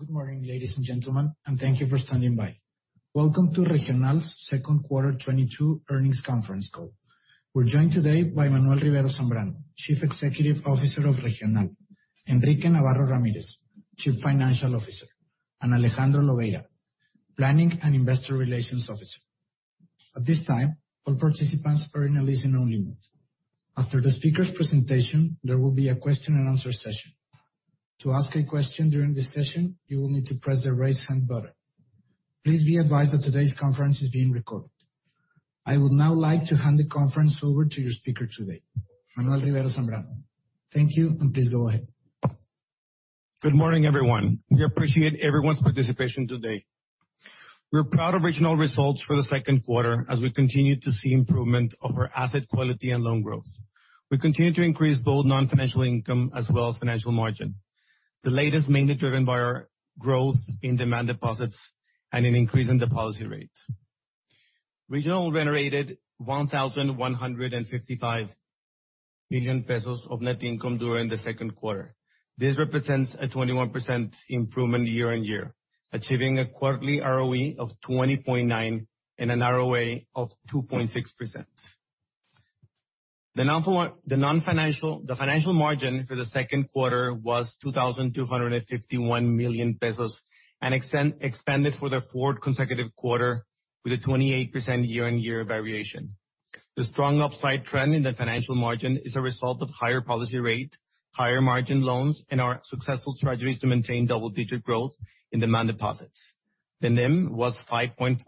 Good morning, ladies and gentlemen, and thank you for standing by. Welcome to Regional's second quarter 2022 earnings conference call. We're joined today by Manuel Rivero Zambrano, Chief Executive Officer of Regional, Enrique Navarro Ramírez, Chief Financial Officer, and Alejandro Lobeira, Planning and Investor Relations Officer. At this time, all participants are in a listen only mode. After the speakers' presentation, there will be a question and answer session. To ask a question during this session, you will need to press the Raise Hand button. Please be advised that today's conference is being recorded. I would now like to hand the conference over to your speaker today, Manuel Rivero Zambrano. Thank you, and please go ahead. Good morning, everyone. We appreciate everyone's participation today. We're proud of Regional results for the second quarter as we continue to see improvement of our asset quality and loan growth. We continue to increase both non-financial income as well as financial margin. The latter mainly driven by our growth in demand deposits and an increase in the policy rate. Regional generated 1,155 million pesos of net income during the second quarter. This represents a 21% improvement year-on-year, achieving a quarterly ROE of 20.9 and an ROA of 2.6%. The financial margin for the second quarter was 2,251 million pesos and expanded for the fourth consecutive quarter with a 28% year-on-year variation. The strong upside trend in the financial margin is a result of higher policy rate, higher margin loans, and our successful strategies to maintain double-digit growth in demand deposits. The NIM was 5.4%,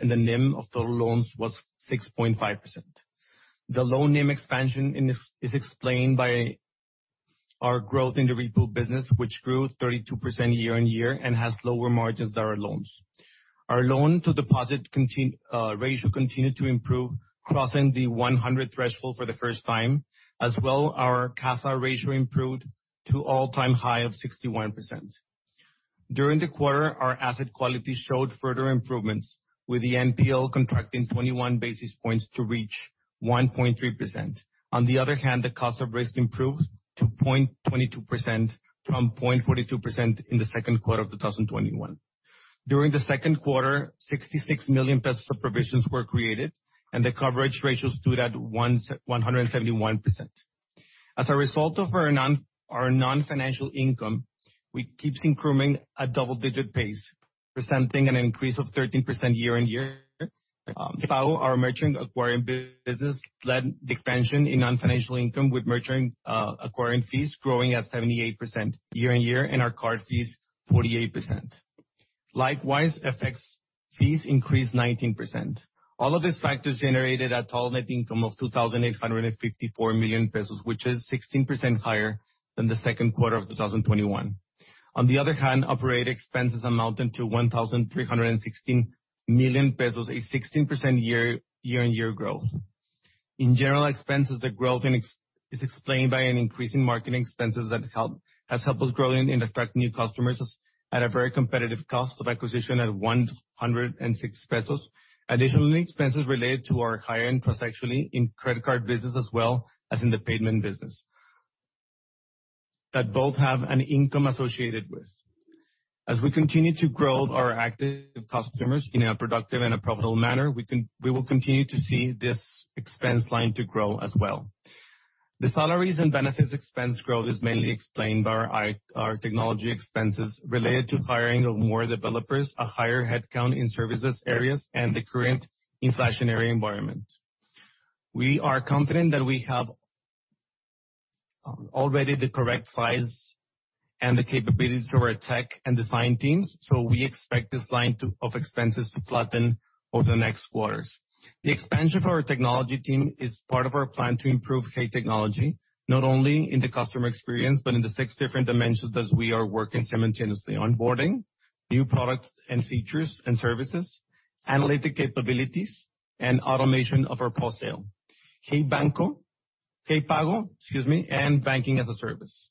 and the NIM of total loans was 6.5%. The loan NIM expansion is explained by our growth in the repo business, which grew 32% year-on-year and has lower margins than our loans. Our loan to deposit ratio continued to improve, crossing the 100 threshold for the first time. As well, our CASA ratio improved to all-time high of 61%. During the quarter, our asset quality showed further improvements, with the NPL contracting 21 basis points to reach 1.3%. On the other hand, the cost of risk improved to 0.22% from 0.42% in the second quarter of 2021. During the second quarter, 66 million pesos of provisions were created, and the coverage ratio stood at 171%. As a result of our non-financial income, we keeps increasing a double-digit pace, presenting an increase of 13% year-on-year. Hey Pago, our merchant acquiring business led the expansion in non-financial income, with merchant acquiring fees growing at 78% year-on-year and our card fees 48%. Likewise, FX fees increased 19%. All of these factors generated a total net income of 2,854,000 million pesos, which is 16% higher than the second quarter of 2021. On the other hand, operating expenses amounted to 1,316,000 million pesos, a 16% year-on-year growth. In general expenses, the growth is explained by an increase in marketing expenses that has helped us grow and attract new customers at a very competitive cost of acquisition at 106 pesos. Additionally, expenses related to our higher-end in credit card business as well as in the payment business that both have an income associated with. As we continue to grow our active customers in a productive and a profitable manner, we will continue to see this expense line to grow as well. The salaries and benefits expense growth is mainly explained by our technology expenses related to hiring of more developers, a higher headcount in services areas, and the current inflationary environment. We are confident that we have already the correct size and the capabilities of our tech and design teams, so we expect this line of expenses to flatten over the next quarters. The expansion for our technology team is part of our plan to improve Hey Technology, not only in the customer experience, but in the six different dimensions as we are working simultaneously, onboarding, new products and features and services, analytic capabilities, and automation of our post-sale. Hey Banco, Hey Pago, excuse me, and Banking as a Service.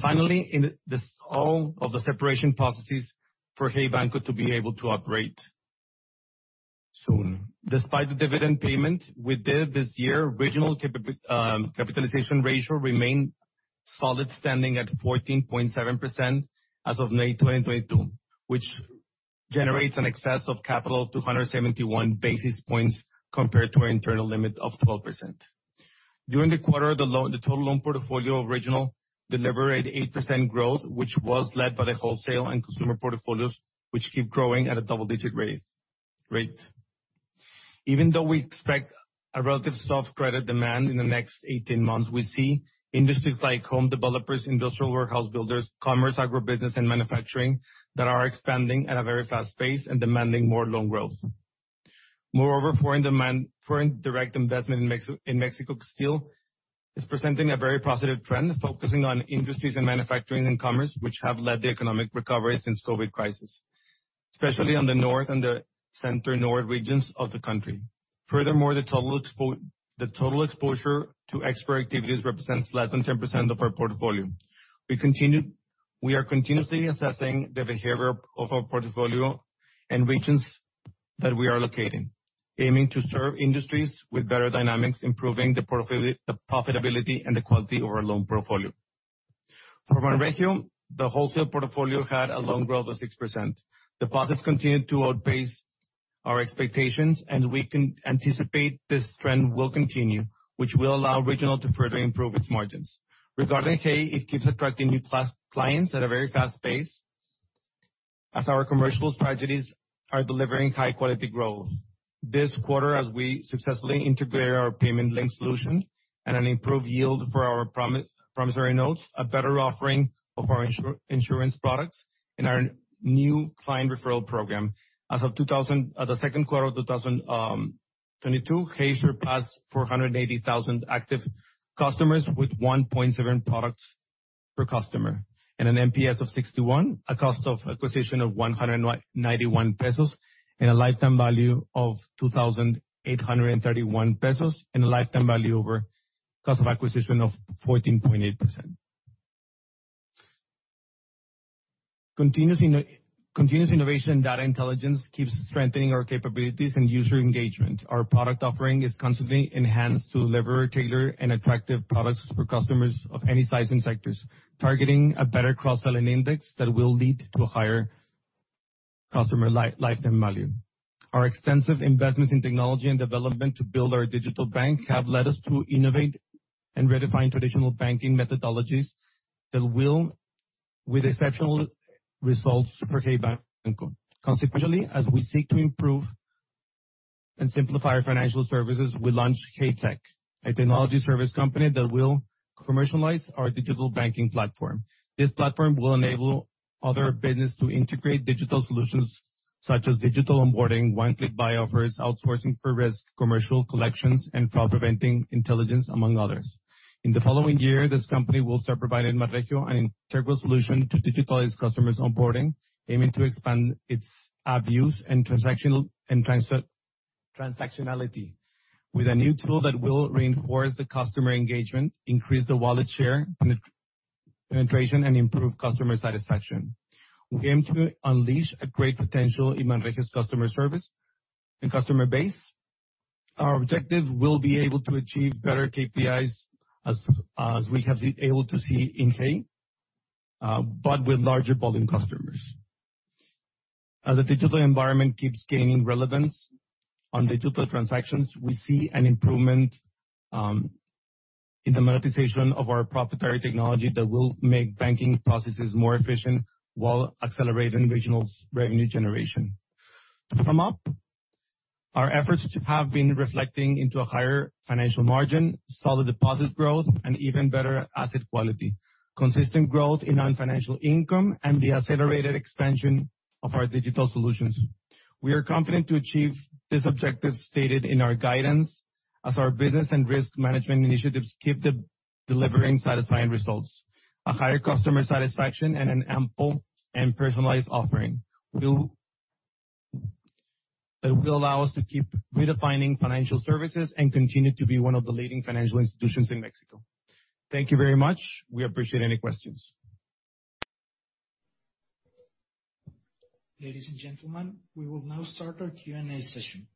Finally, in this, all of the separation processes for Hey Banco to be able to operate soon. Despite the dividend payment we did this year, Regional capitalization ratio remained solid, standing at 14.7% as of May 2022, which generates an excess of capital 271 basis points compared to our internal limit of 12%. During the quarter, the total loan portfolio of Regional delivered 8% growth, which was led by the wholesale and consumer portfolios, which keep growing at a double-digit rate. Even though we expect a relative soft credit demand in the next 18 months, we see industries like home developers, industrial warehouse builders, commerce, agribusiness, and manufacturing that are expanding at a very fast pace and demanding more loan growth. Moreover, foreign direct investment in Mexico still is presenting a very positive trend, focusing on industries and manufacturing and commerce, which have led the economic recovery since COVID crisis, especially on the north and the center north regions of the country. Furthermore, the total exposure to export activities represents less than 10% of our portfolio. We are continuously assessing the behavior of our portfolio and regions that we are locating, aiming to serve industries with better dynamics, improving the profitability and the quality of our loan portfolio. For Banregio, the wholesale portfolio had a loan growth of 6%. Deposits continued to outpace our expectations, and we can anticipate this trend will continue, which will allow Regional to further improve its margins. Regarding Hey, it keeps attracting new clients at a very fast pace, as our commercial strategies are delivering high quality growth. This quarter, as we successfully integrate our payment link solution and an improved yield for our promissory notes, a better offering of our insurance products in our new client referral program. As of the second quarter of 2022, Hey surpassed 480,000 active customers with 1.7 products per customer and an NPS of 61, a cost of acquisition of 191 pesos, and a lifetime value of 2,831 pesos, and a lifetime value over cost of acquisition of 14.8%. Continuous innovation and data intelligence keeps strengthening our capabilities and user engagement. Our product offering is constantly enhanced to deliver tailored and attractive products for customers of any size and sectors, targeting a better cross-selling index that will lead to a higher customer lifetime value. Our extensive investments in technology and development to build our digital bank have led us to innovate and redefine traditional banking methodologies with exceptional results for Hey Banco. Consequently, as we seek to improve and simplify our financial services, we launched Hey Tech, a technology service company that will commercialize our digital banking platform. This platform will enable other businesses to integrate digital solutions such as digital onboarding, one-click buy offers, outsourcing for risk, commercial collections, and fraud preventing intelligence, among others. In the following year, this company will start providing Banregio an integral solution to digitalize customers onboarding, aiming to expand its use and transactional, and transactionality with a new tool that will reinforce the customer engagement, increase the wallet share, penetration, and improve customer satisfaction. We aim to unleash a great potential in Banregio's customer service and customer base. Our objective will be able to achieve better KPIs as we have been able to see in key, but with larger volume customers. As the digital environment keeps gaining relevance on digital transactions, we see an improvement in the monetization of our proprietary technology that will make banking processes more efficient while accelerating Regional revenue generation. To sum up, our efforts have been reflecting into a higher financial margin, solid deposit growth and even better asset quality, consistent growth in non-financial income, and the accelerated expansion of our digital solutions. We are confident to achieve this objective stated in our guidance as our business and risk management initiatives keep delivering satisfying results. A higher customer satisfaction and an ample and personalized offering that will allow us to keep redefining financial services and continue to be one of the leading financial institutions in Mexico. Thank you very much. We appreciate any questions. Ladies and gentlemen, we will now start our Q&A session.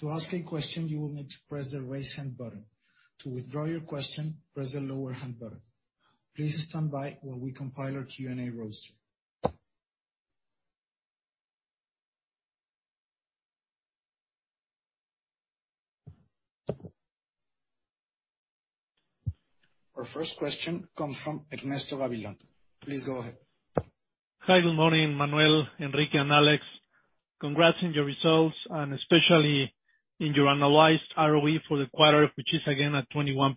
To ask a question, you will need to press the Raise Hand button. To withdraw your question, press the Lower Hand button. Please stand by while we compile our Q&A roster. Our first question comes from Ernesto Gabilondo. Please go ahead. Hi, good morning, Manuel, Enrique, and Alex. Congrats on your results and especially in your annualized ROE for the quarter, which is again at 21%.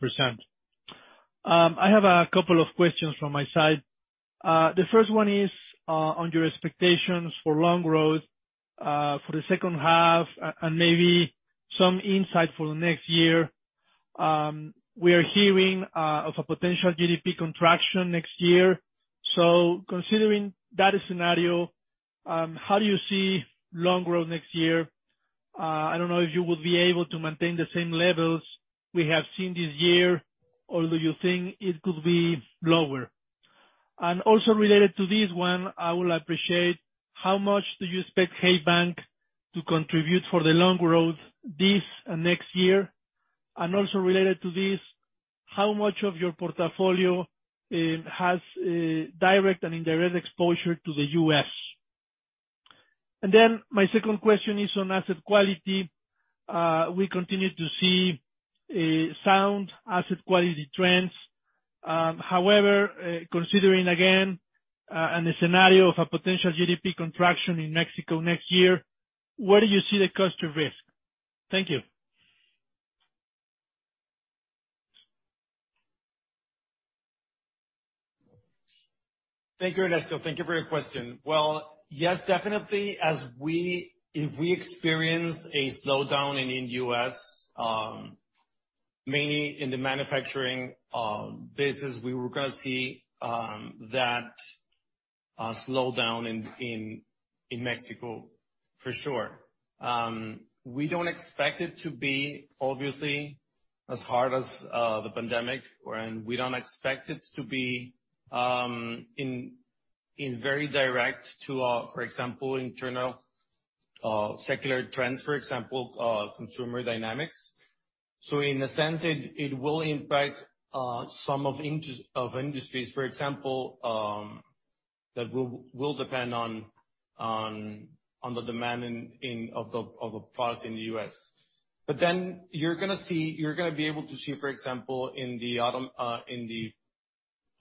I have a couple of questions from my side. The first one is, on your expectations for loan growth, for the second half, and maybe some insight for the next year. We are hearing, of a potential GDP contraction next year. Considering that scenario, how do you see loan growth next year? I don't know if you will be able to maintain the same levels we have seen this year, or do you think it could be lower? Also related to this one, I will appreciate, how much do you expect Hey Banco to contribute for the loan growth this and next year? Also related to this, how much of your portfolio has direct and indirect exposure to the U.S.? My second question is on asset quality. We continue to see sound asset quality trends. However, considering again, in the scenario of a potential GDP contraction in Mexico next year, where do you see the cost of risk? Thank you. Thank you, Ernesto. Thank you for your question. Well, yes, definitely. If we experience a slowdown in the U.S., mainly in the manufacturing business, we are gonna see that slowdown in Mexico for sure. We don't expect it to be obviously as hard as the pandemic. We don't expect it to be very directly to, for example, internal secular trends, for example, consumer dynamics. In a sense, it will impact some industries. For example, that will depend on the demand in the U.S. of the products in the U.S. You're gonna be able to see, for example, in the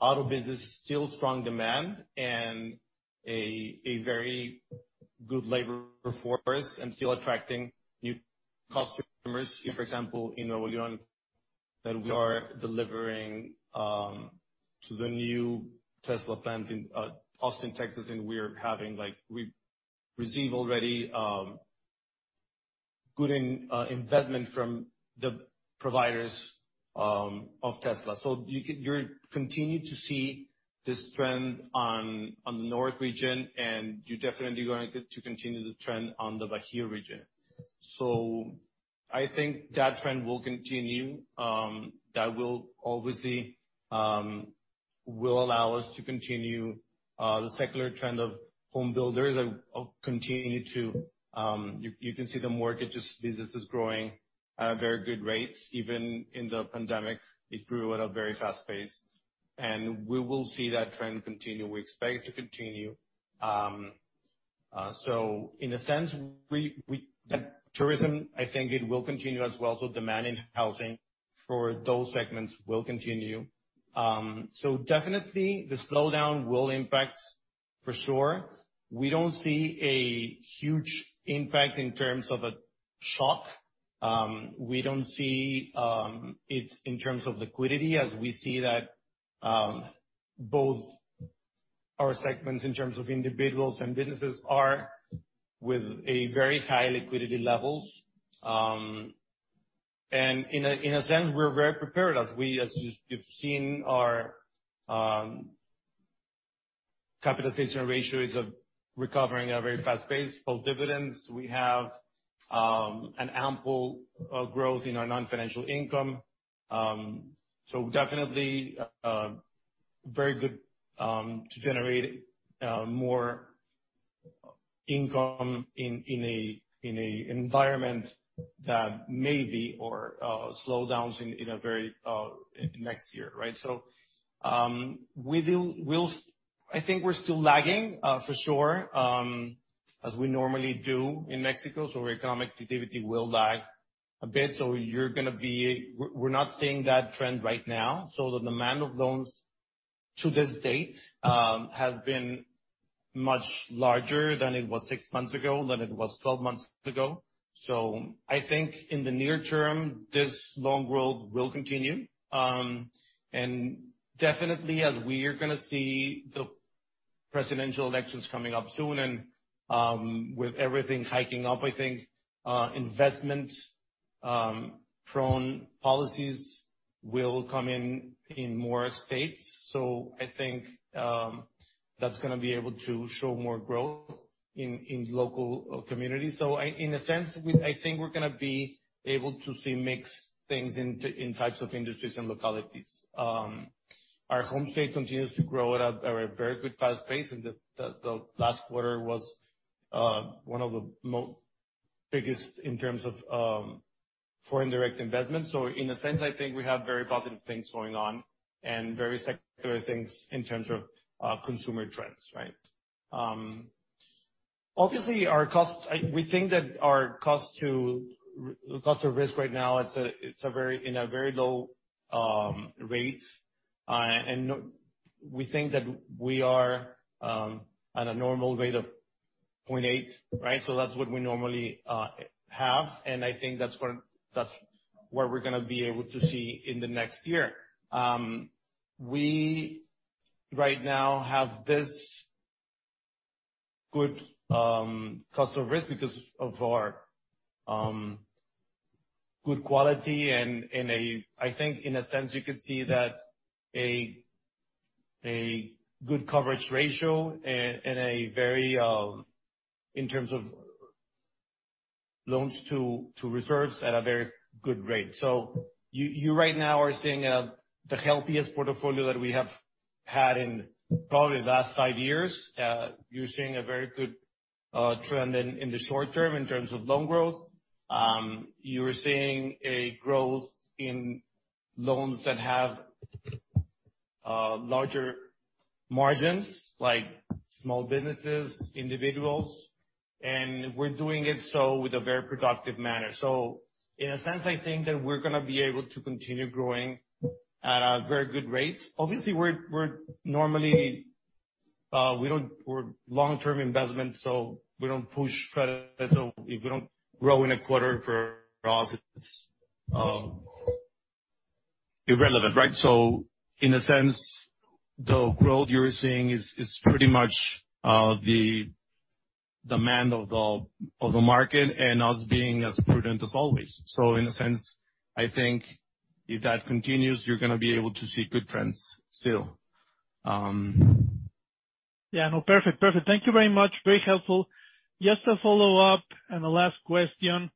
auto business, still strong demand and a very good labor force and still attracting new customers. For example, in Nuevo León, that we are delivering to the new Tesla plant in Austin, Texas, and we are having we've received already good investment from the providers of Tesla. You're continue to see this trend on the north region, and you're definitely going to continue the trend on the Bajío region. I think that trend will continue. That will obviously will allow us to continue the secular trend of homebuilders and continue to. You can see the mortgages businesses growing at very good rates. Even in the pandemic, it grew at a very fast pace, and we will see that trend continue. We expect it to continue. In a sense, we... Tourism, I think it will continue as well. Demand in housing for those segments will continue. Definitely the slowdown will impact for sure. We don't see a huge impact in terms of a shock. We don't see it in terms of liquidity, as we see that both our segments in terms of individuals and businesses are with a very high liquidity levels. In a sense, we're very prepared as we, as you've seen our capitalization ratio is recovering at a very fast pace. Both dividends, we have an ample growth in our non-financial income. Definitely very good to generate more income in an environment that may slow down in the very next year, right? I think we're still lagging for sure as we normally do in Mexico. Economic activity will lag a bit. We're not seeing that trend right now. The demand for loans to date has been much larger than it was six months ago, than it was 12 months ago. I think in the near term, this loan growth will continue. Definitely as we are gonna see the presidential elections coming up soon and with everything heating up, I think investment-prone policies will come in more states. I think that's gonna be able to show more growth in local communities. In a sense, I think we're gonna be able to see mixed things in types of industries and localities. Our home state continues to grow at a very good, fast pace, and the last quarter was one of the biggest in terms of foreign direct investment. In a sense, I think we have very positive things going on and very secular things in terms of consumer trends, right? Obviously, we think that our cost of risk right now is very low. We think that we are at a normal rate of 0.8%, right? That's what we normally have, and I think that's where we're gonna be able to see in the next year. We right now have this good cost of risk because of our good quality and I think in a sense you could see that a good coverage ratio and in terms of loans to reserves at a very good rate. You right now are seeing the healthiest portfolio that we have had in probably the last five years. You're seeing a very good trend in the short term in terms of loan growth. You are seeing a growth in loans that have larger margins, like small businesses, individuals, and we're doing so with a very productive manner. In a sense, I think that we're gonna be able to continue growing at a very good rate. Obviously, we're normally we don't push credit. We're long-term investment, so we don't push credit. If we don't grow in a quarter for us, it's irrelevant, right? In a sense, the growth you're seeing is pretty much the demand of the market and us being as prudent as always. In a sense, I think if that continues, you're gonna be able to see good trends still. Yeah. No, perfect. Perfect. Thank you very much. Very helpful. Just a follow-up and the last question.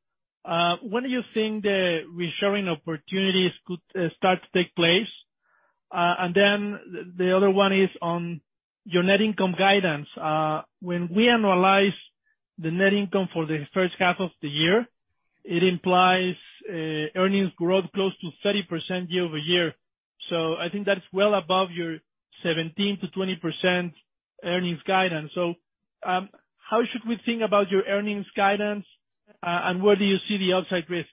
When are you seeing the nearshoring opportunities could start to take place? And then the other one is on your net income guidance. When we annualize the net income for the first half of the year, it implies earnings growth close to 30% year-over-year. I think that's well above your 17%-20% earnings guidance. How should we think about your earnings guidance, and where do you see the upside risks?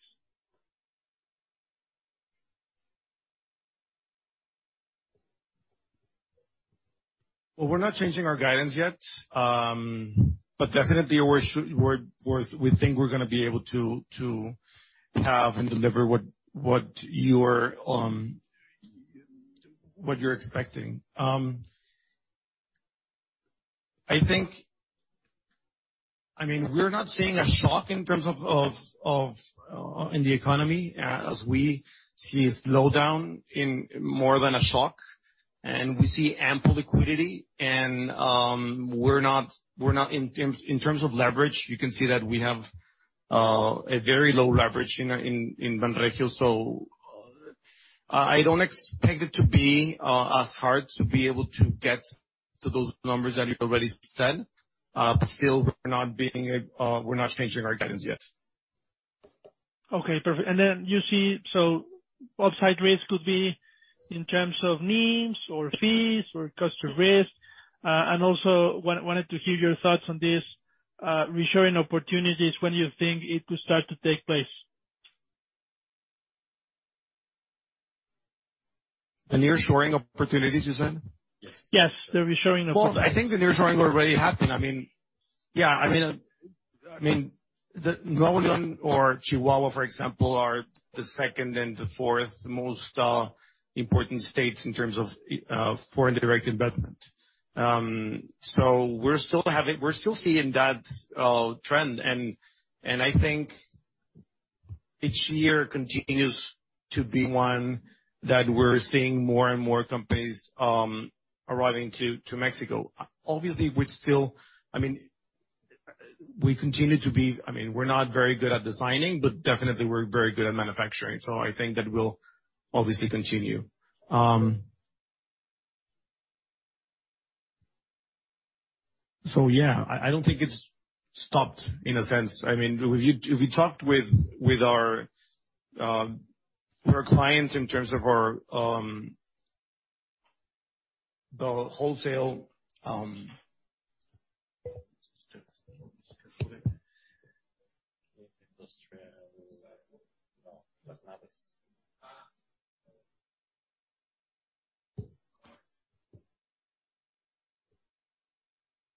We're not changing our guidance yet, but definitely we think we're gonna be able to have and deliver what you're expecting. I mean, we're not seeing a shock in terms of the economy as we see a slowdown more than a shock, and we see ample liquidity and we're not in terms of leverage, you can see that we have a very low leverage in Banregio. I don't expect it to be as hard to be able to get to those numbers that you already said. Still we're not changing our guidance yet. You see, upside risk could be in terms of NIMs or fees or customer risk. Also wanted to hear your thoughts on this nearshoring opportunities, when you think it could start to take place. The nearshoring opportunities, you said? Yes. The nearshoring opportunities. Well, I think the nearshoring already happened. I mean, yeah, the Nuevo León or Chihuahua, for example, are the second and the fourth most important states in terms of foreign direct investment. We're still seeing that trend. I think each year continues to be one that we're seeing more and more companies arriving to Mexico. Obviously, I mean, we're not very good at designing, but definitely we're very good at manufacturing, so I think that will obviously continue. Yeah, I don't think it's stopped in a sense. I mean, we've talked with our clients in terms of our the wholesale.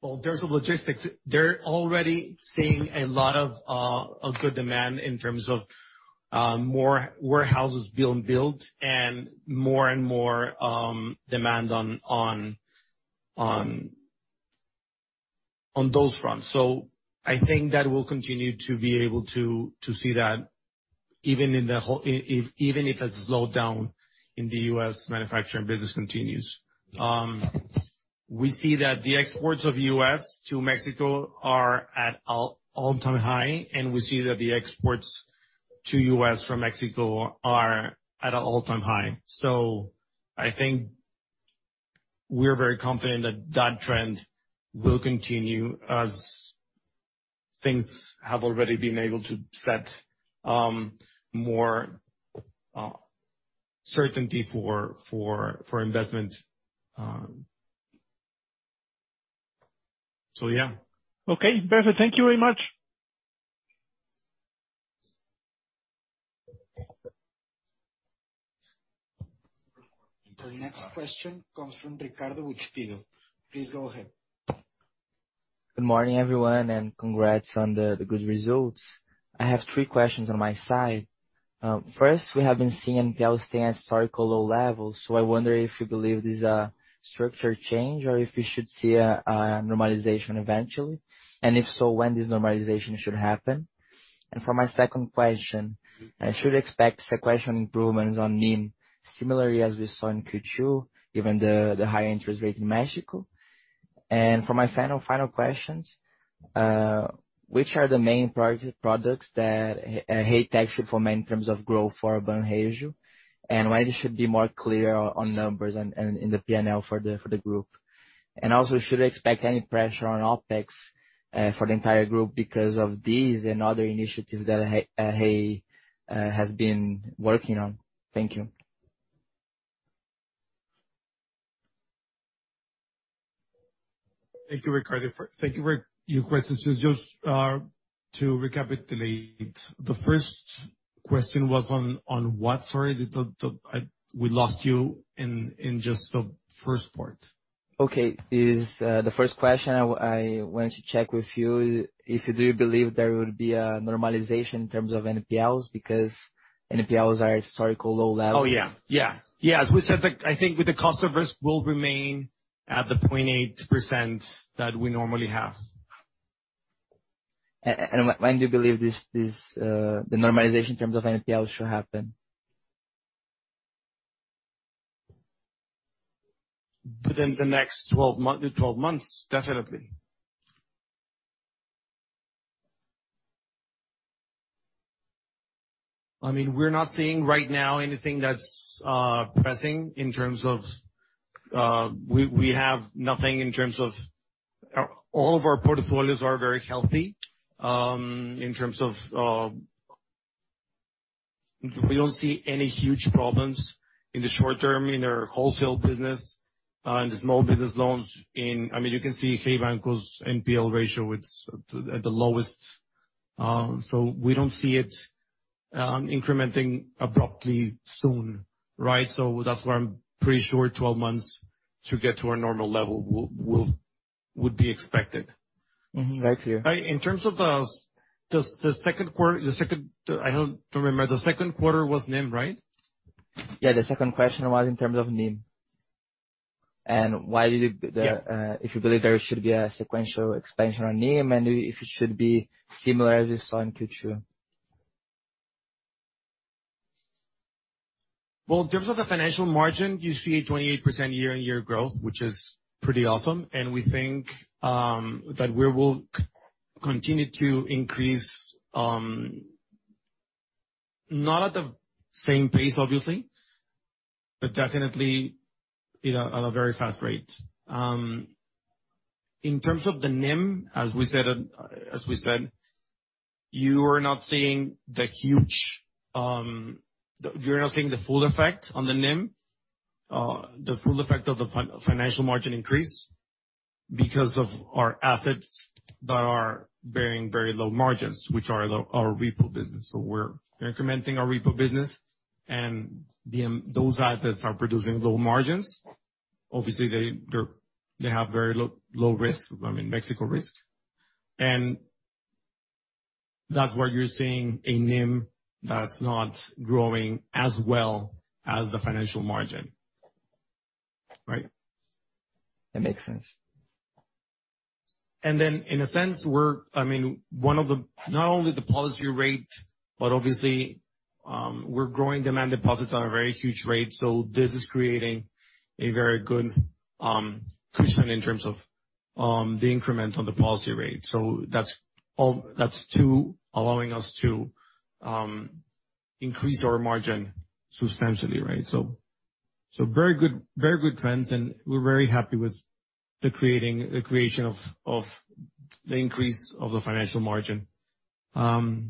Well, in terms of logistics, they're already seeing a lot of good demand in terms of more warehouses being built and more and more demand on those fronts. I think that we'll continue to be able to see that even if a slowdown in the U.S. manufacturing business continues. We see that the exports of U.S. to Mexico are at all-time high, and we see that the exports to U.S. from Mexico are at an all-time high. I think we're very confident that that trend will continue as things have already been able to set more certainty for investment. Yeah. Okay. Perfect. Thank you very much. The next question comes from Ricardo Buchpiguel. Please go ahead. Good morning, everyone, and congrats on the good results. I have three questions on my side. First, we have been seeing NPL staying at historical low levels, so I wonder if you believe this is a structure change or if we should see a normalization eventually. If so, when this normalization should happen? For my second question, I should expect sequential improvements on NIM similarly as we saw in Q2, given the high interest rate in Mexico. For my final questions, which are the main products that Hey actually perform in terms of growth for Banregio, and when it should be more clear on numbers and in the P&L for the group? Also, should I expect any pressure on OpEx for the entire group because of these and other initiatives that Hey has been working on? Thank you. Thank you, Ricardo, for your questions. Just to recapitulate, the first question was on what? Sorry, we lost you in just the first part. Okay. Is the first question I wanted to check with you if you do believe there would be a normalization in terms of NPLs because NPLs are at historical low levels? Yeah. As we said, I think the cost of risk will remain at 0.8% that we normally have. When do you believe this the normalization in terms of NPLs should happen? Within the next 12 months, definitely. I mean, we're not seeing right now anything that's pressing in terms of. We have nothing in terms of. All of our portfolios are very healthy in terms of. We don't see any huge problems in the short term in our wholesale business, in the small business loans, in. I mean, you can see Hey Banco's NPL ratio, it's at the lowest. We don't see it incrementing abruptly soon, right? That's why I'm pretty sure 12 months to get to our normal level would be expected. Mm-hmm. Right here. In terms of the second quarter, I don't remember. The second quarter was NIM, right? Yeah, the second question was in terms of NIM. Why did it- Yeah. If you believe there should be a sequential expansion on NIM, and if it should be similar as you saw in Q2. Well, in terms of the financial margin, you see a 28% year-on-year growth, which is pretty awesome. We think that we will continue to increase, not at the same pace obviously, but definitely on a very fast rate. In terms of the NIM, as we said, you're not seeing the full effect on the NIM, the full effect of the financial margin increase because of our assets that are bearing very low margins, which are our repo business. We're incrementing our repo business, and those assets are producing low margins. Obviously, they have very low risk, I mean, Mexico risk. That's why you're seeing a NIM that's not growing as well as the financial margin, right? That makes sense. Not only the policy rate, but obviously, we're growing demand deposits at a very huge rate, so this is creating a very good cushion in terms of the increment on the policy rate. So that's allowing us to increase our margin substantially, right? So very good trends, and we're very happy with the creation of the increase of the financial margin. In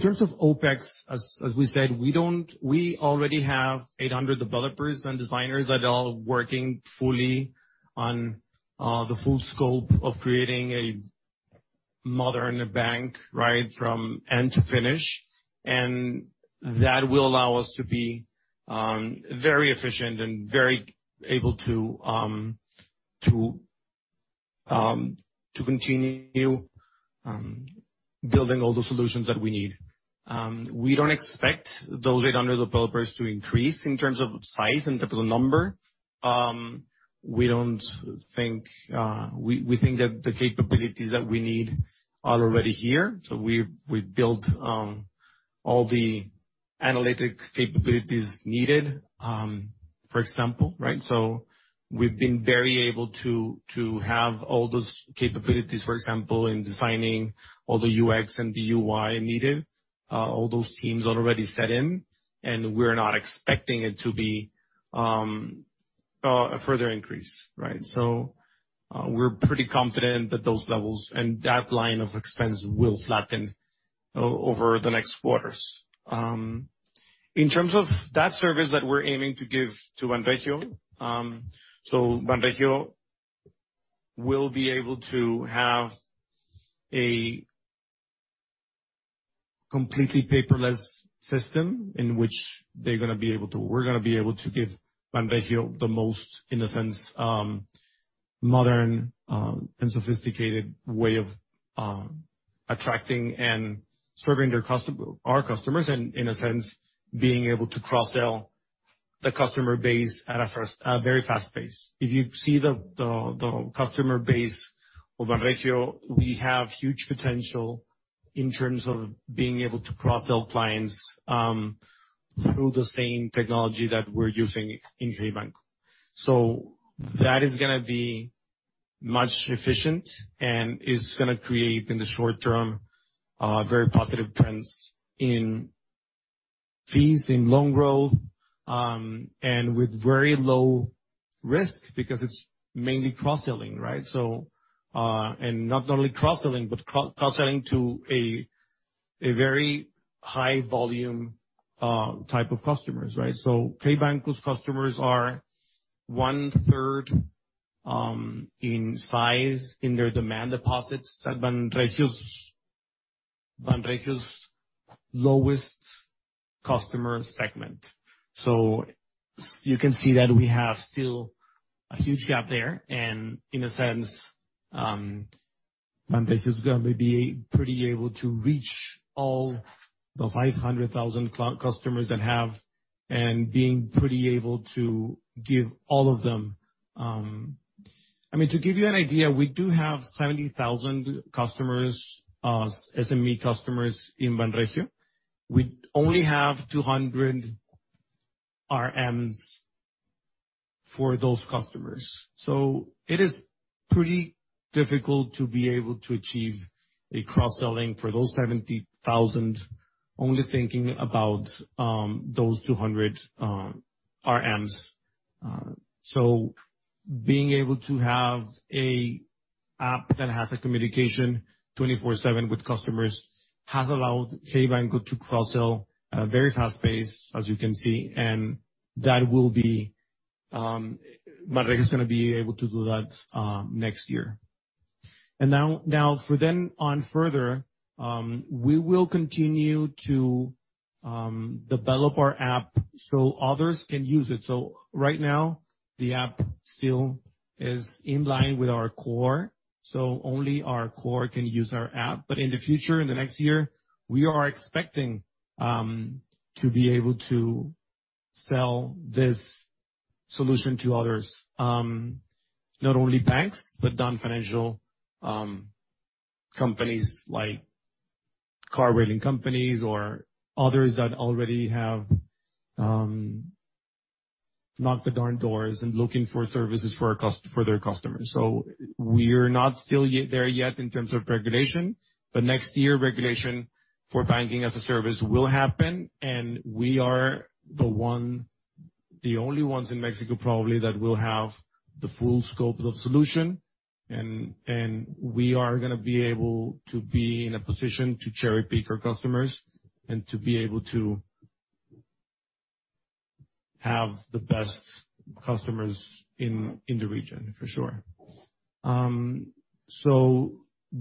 terms of OpEx, as we said, we already have 800 developers and designers that are working fully on the full scope of creating a modern bank, right? From end to end. That will allow us to be very efficient and very able to continue building all the solutions that we need. We don't expect those 800 developers to increase in terms of size, in terms of the number. We think that the capabilities that we need are already here. We've built all the analytic capabilities needed, for example, right? We've been very able to have all those capabilities, for example, in designing all the UX and the UI needed. All those teams are already set in, and we're not expecting it to be a further increase, right? We're pretty confident that those levels and that line of expense will flatten over the next quarters. In terms of that service that we're aiming to give to Banregio will be able to have a completely paperless system in which we're gonna be able to give Banregio the most, in a sense, modern and sophisticated way of attracting and serving our customers and, in a sense, being able to cross-sell the customer base at a very fast pace. If you see the customer base of Banregio, we have huge potential in terms of being able to cross-sell clients through the same technology that we're using in Hey Banco. That is gonna be much more efficient and is gonna create, in the short term, very positive trends in fees, in loan growth, and with very low risk because it's mainly cross-selling, right? Not only cross-selling, but cross-selling to a very high volume type of customers, right? Hey Banco's customers are one-third in size in their demand deposits at Banregio's lowest customer segment. You can see that we have still a huge gap there and, in a sense, Banregio's gonna be pretty able to reach all the 500,000 customers that have, and being pretty able to give all of them, I mean, to give you an idea, we do have 70,000 customers, SME customers in Banregio. We only have 200 RMs for those customers. It is pretty difficult to be able to achieve a cross-selling for those 70,000, only thinking about those 200 RMs. Being able to have an app that has a communication 24/7 with customers has allowed Hey Banco to cross-sell very fast pace, as you can see. Banregio is gonna be able to do that next year. From then on further, we will continue to develop our app so others can use it. Right now the app still is in line with our core, so only our core can use our app. In the future, in the next year, we are expecting to be able to sell this solution to others. Not only banks, but non-financial companies like car rental companies or others that already have knocked on our doors and looking for services for their customers. We're not still there yet in terms of regulation, but next year regulation for Banking as a Service will happen, and we are the only ones in Mexico probably that will have the full scope of solution. We are gonna be able to be in a position to cherry-pick our customers and to be able to have the best customers in the region for sure.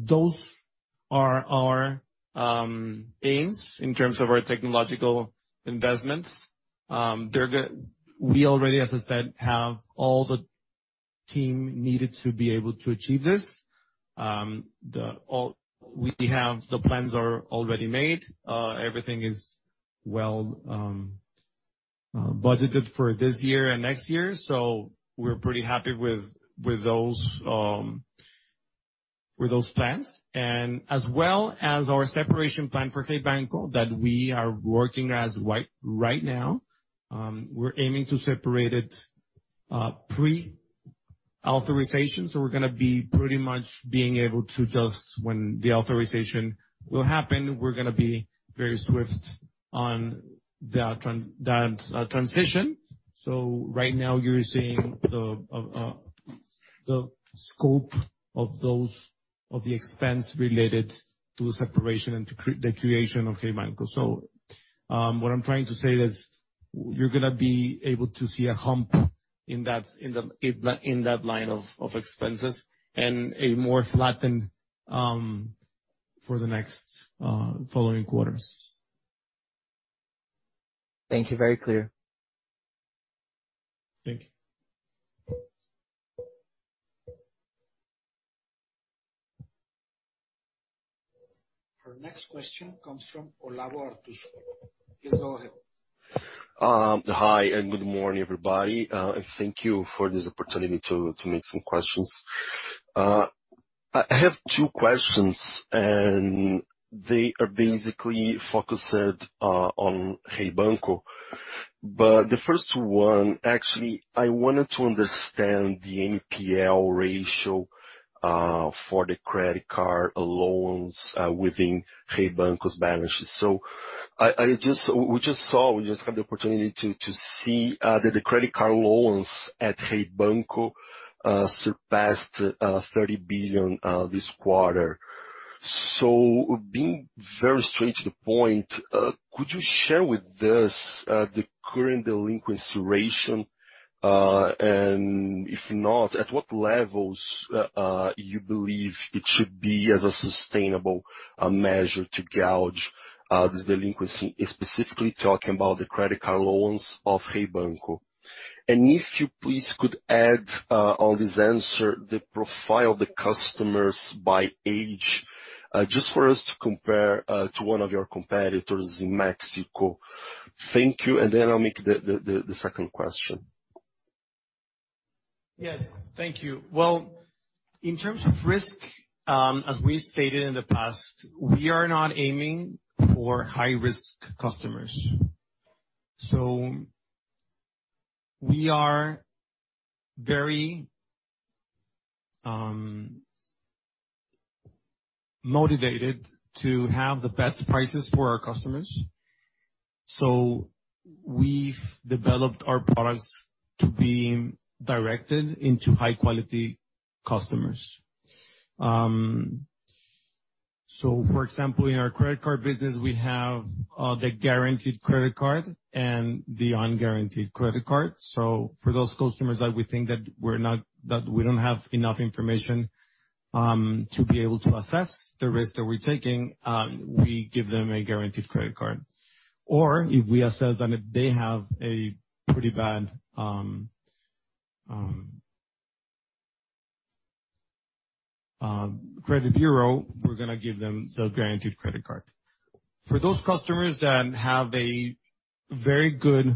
Those are our aims in terms of our technological investments. We already, as I said, have all the team needed to be able to achieve this. The plans are already made. Everything is well budgeted for this year and next year, so we're pretty happy with those plans. As well as our separation plan for Hey Banco that we are working on right now. We're aiming to separate it pre-authorization, so we're gonna be pretty much able to just when the authorization will happen, we're gonna be very swift on the transition. Right now you're seeing the scope of those expenses related to separation and to the creation of Hey Banco. What I'm trying to say is you're gonna be able to see a hump in that line of expenses, and a more flattened for the next following quarters. Thank you. Very clear. Thank you. Our next question comes from Olavo Artuso. Please go ahead. Hi, good morning, everybody. Thank you for this opportunity to make some questions. I have two questions, and they are basically focused on Hey Banco. The first one, actually, I wanted to understand the NPL ratio for the credit card loans within Hey Banco's balance sheet. We just saw, we had the opportunity to see that the credit card loans at Hey Banco surpassed 30 billion this quarter. Being very straight to the point, could you share with us the current delinquency ratio? And if not, at what levels you believe it should be as a sustainable measure to gauge this delinquency, specifically talking about the credit card loans of Hey Banco. If you please could add, on this answer, the profile of the customers by age, just for us to compare to one of your competitors in Mexico. Thank you. Then I'll make the second question. Yes. Thank you. Well, in terms of risk, as we stated in the past, we are not aiming for high-risk customers. We are very motivated to have the best prices for our customers. We've developed our products to be directed into high-quality customers. For example, in our credit card business, we have the guaranteed credit card and the unguaranteed credit card. For those customers that we think that we don't have enough information to be able to assess the risk that we're taking, we give them a guaranteed credit card. Or if we assess them, if they have a pretty bad credit bureau, we're gonna give them the guaranteed credit card. For those customers that have a very good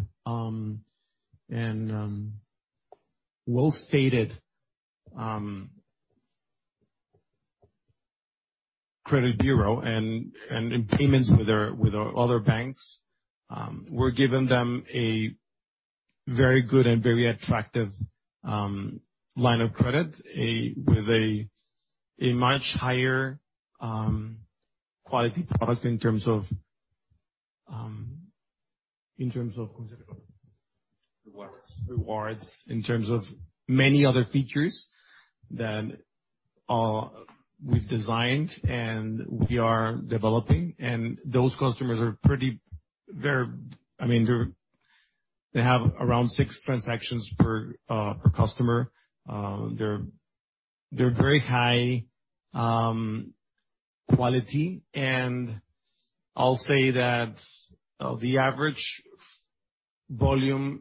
and well-stated credit bureau and payments with other banks, we're giving them a very good and very attractive line of credit with a much higher quality product in terms of. Rewards. Rewards, in terms of many other features that we've designed and we are developing. Those customers are very. I mean, they have around six transactions per customer. They're very high quality. I'll say that the average volume.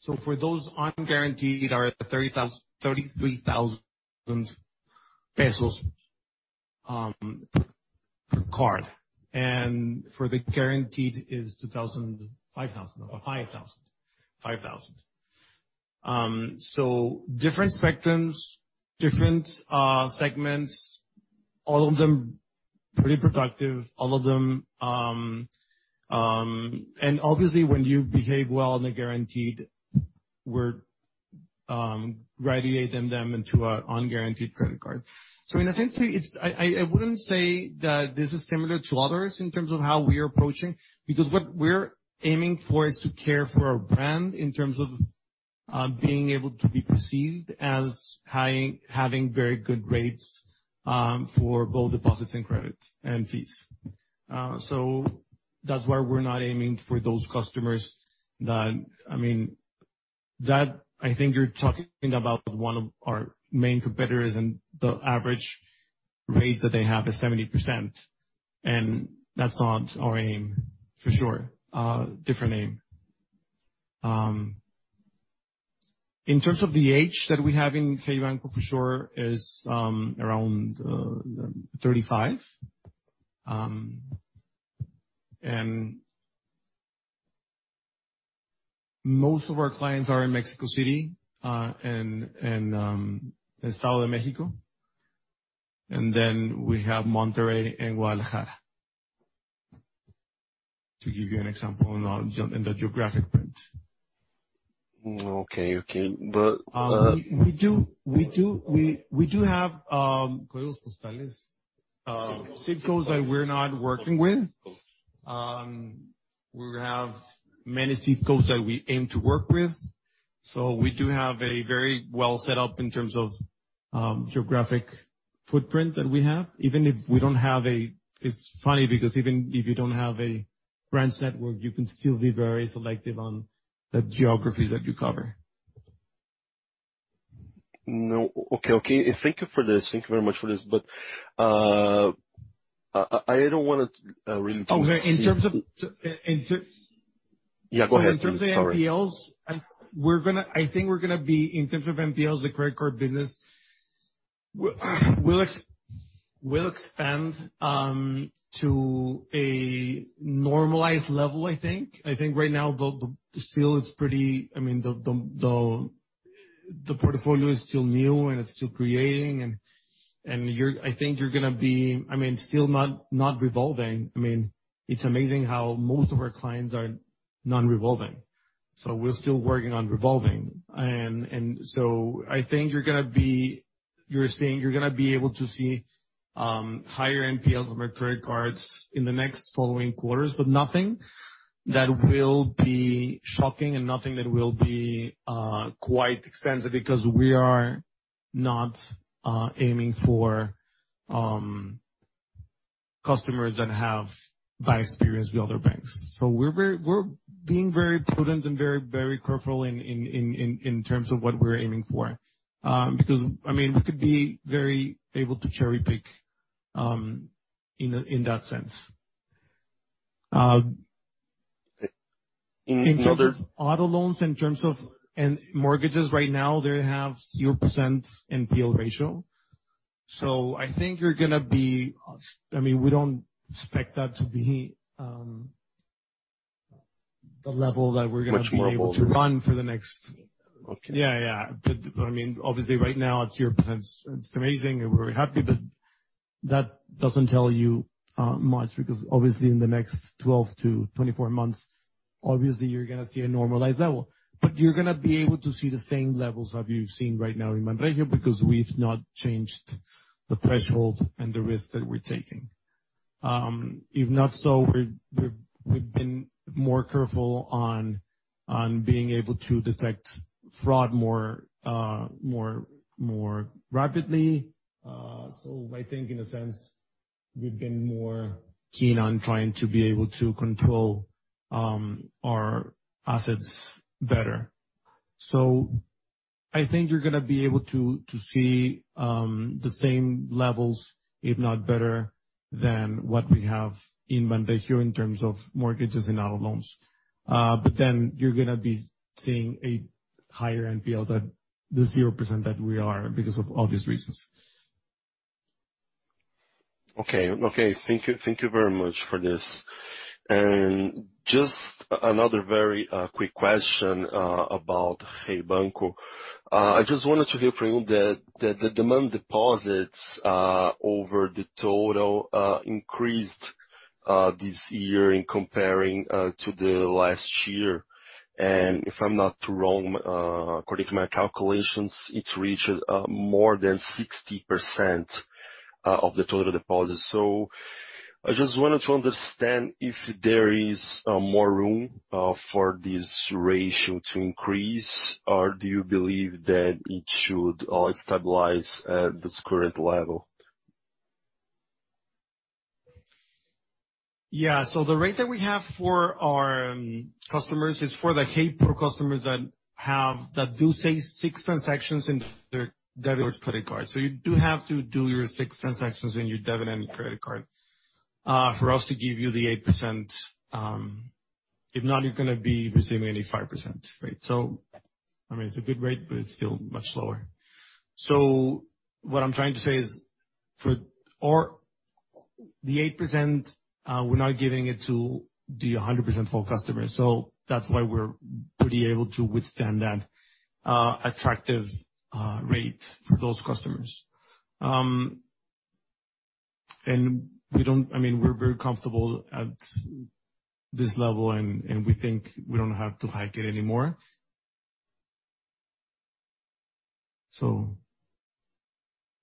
So for those, unguaranteed are 33,000 pesos per card, and for the guaranteed is 5,000. So different spectrums, different segments, all of them pretty productive. Obviously, when you behave well in the guaranteed, we graduate them then into a unguaranteed credit card. In a sense, I wouldn't say that this is similar to others in terms of how we are approaching, because what we're aiming for is to care for our brand in terms of being able to be perceived as having very good rates for both deposits and credits and fees. That's why we're not aiming for those customers that I think you're talking about one of our main competitors, and the average rate that they have is 70%, and that's not our aim, for sure. Different aim. In terms of the age that we have in Hey Banco, for sure is around 35. And most of our clients are in Mexico City and in State of Mexico. We have Monterrey and Guadalajara, to give you an example in the geographic footprint. Okay. We do have, ZIP codes that we're not working with. We have many ZIP codes that we aim to work with, so we do have a very well set up in terms of geographic footprint that we have. It's funny because even if you don't have a branch network, you can still be very selective on the geographies that you cover. No. Okay. Thank you for this. Thank you very much for this. I don't wanna really. Okay. In terms of. Yeah, go ahead. Sorry. In terms of NPLs, I think we're gonna be, in terms of NPLs, the credit card business will expand to a normalized level, I think. I think right now, I mean, the portfolio is still new and it's still creating, and I think you're gonna be, I mean, still not revolving. I mean, it's amazing how most of our clients are non-revolving. We're still working on revolving. I think you're gonna be able to see higher NPLs on our credit cards in the next following quarters, but nothing that will be shocking and nothing that will be quite expensive because we are not aiming for customers that have bad experience with other banks. We're being very prudent and very, very careful in terms of what we're aiming for. Because I mean, we could be very able to cherry-pick in that sense. In other- In terms of auto loans and mortgages right now, they have 0% NPL ratio. I think you're gonna be, I mean, we don't expect that to be the level that we're gonna be able to run for the next. Okay. Yeah. I mean, obviously right now it's 0%. It's amazing and we're happy, but that doesn't tell you much because obviously in the next 12-24 months, obviously you're gonna see a normalized level. You're gonna be able to see the same levels that you've seen right now in Banregio because we've not changed the threshold and the risk that we're taking. If not so, we've been more careful on being able to detect fraud more rapidly. I think in a sense, we've been more keen on trying to be able to control our assets better. I think you're gonna be able to see the same levels, if not better, than what we have in Banregio in terms of mortgages and auto loans. You're gonna be seeing a higher NPL than the 0% that we are because of obvious reasons. Okay. Thank you very much for this. Just another very quick question about Hey Banco. I just wanted to hear from you that the demand deposits over the total increased this year in comparison to the last year. If I'm not wrong, according to my calculations, it reached more than 60% of the total deposits. I just wanted to understand if there is more room for this ratio to increase, or do you believe that it should stabilize at this current level? Yeah. The rate that we have for our customers is for the Hey Pro customers that do, say, six transactions in their debit or credit card. You do have to do your six transactions in your debit and credit card for us to give you the 8%. If not, you're gonna be receiving only 5% rate. I mean, it's a good rate, but it's still much lower. What I'm trying to say is, for the 8%, we're not giving it to the 100% full customers, so that's why we're pretty able to withstand that attractive rate for those customers. I mean, we're very comfortable at this level and we think we don't have to hike it anymore.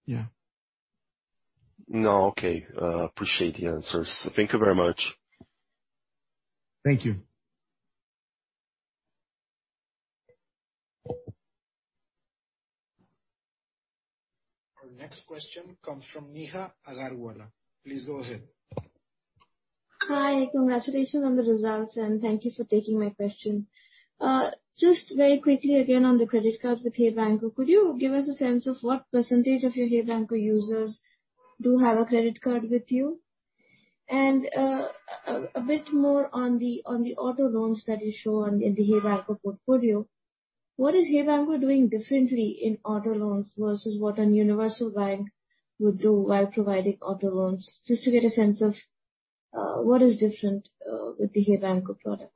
Yeah. No. Okay. Appreciate the answers. Thank you very much. Thank you. Our next question comes from Neha Agarwala. Please go ahead. Hi. Congratulations on the results, and thank you for taking my question. Just very quickly, again on the credit card with Hey Banco, could you give us a sense of what percentage of your Hey Banco users do have a credit card with you? A bit more on the auto loans that you show in the Hey Banco portfolio. What is Hey Banco doing differently in auto loans versus what a universal bank would do while providing auto loans? Just to get a sense of what is different with the Hey Banco product.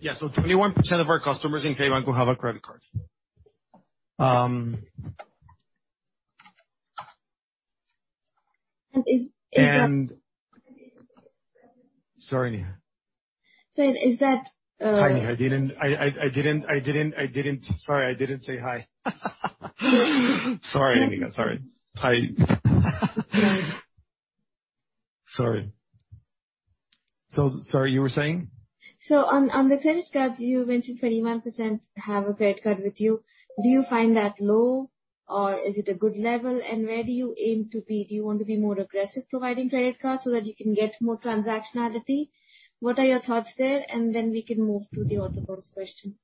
Yeah. 21% of our customers in Hey Banco have a credit card. Sorry, Neha. Is that. Hi, Neha. Sorry, I didn't say hi. Sorry, Neha. Sorry. Hi. Sorry. So sorry, you were saying? On the credit cards, you mentioned 21% have a credit card with you. Do you find that low, or is it a good level? Where do you aim to be? Do you want to be more aggressive providing credit cards so that you can get more transactionality? What are your thoughts there? Then we can move to the auto loans question.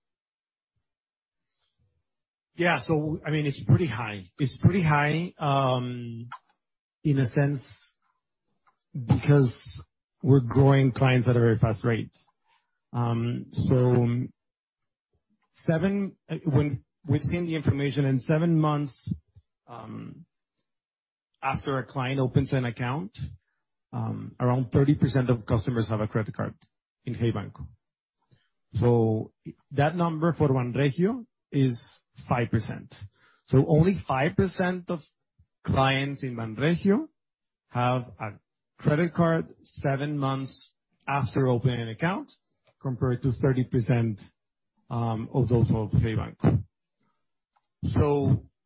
Yeah. I mean, it's pretty high, in a sense, because we're growing clients at a very fast rate. We've seen the information, in seven months, after a client opens an account, around 30% of customers have a credit card in Hey Banco. That number for Banregio is 5%. Only 5% of clients in Banregio have a credit card seven months after opening an account, compared to 30% of those of Hey Banco.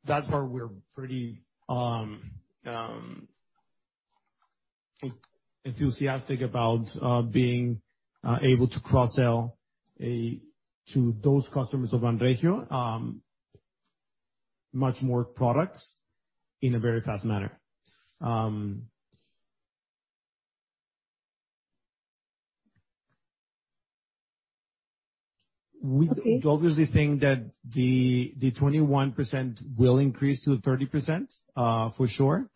That's why we're pretty enthusiastic about being able to cross-sell to those customers of Banregio much more products in a very fast manner. We obviously think that the 21% will increase to 30%, for sure.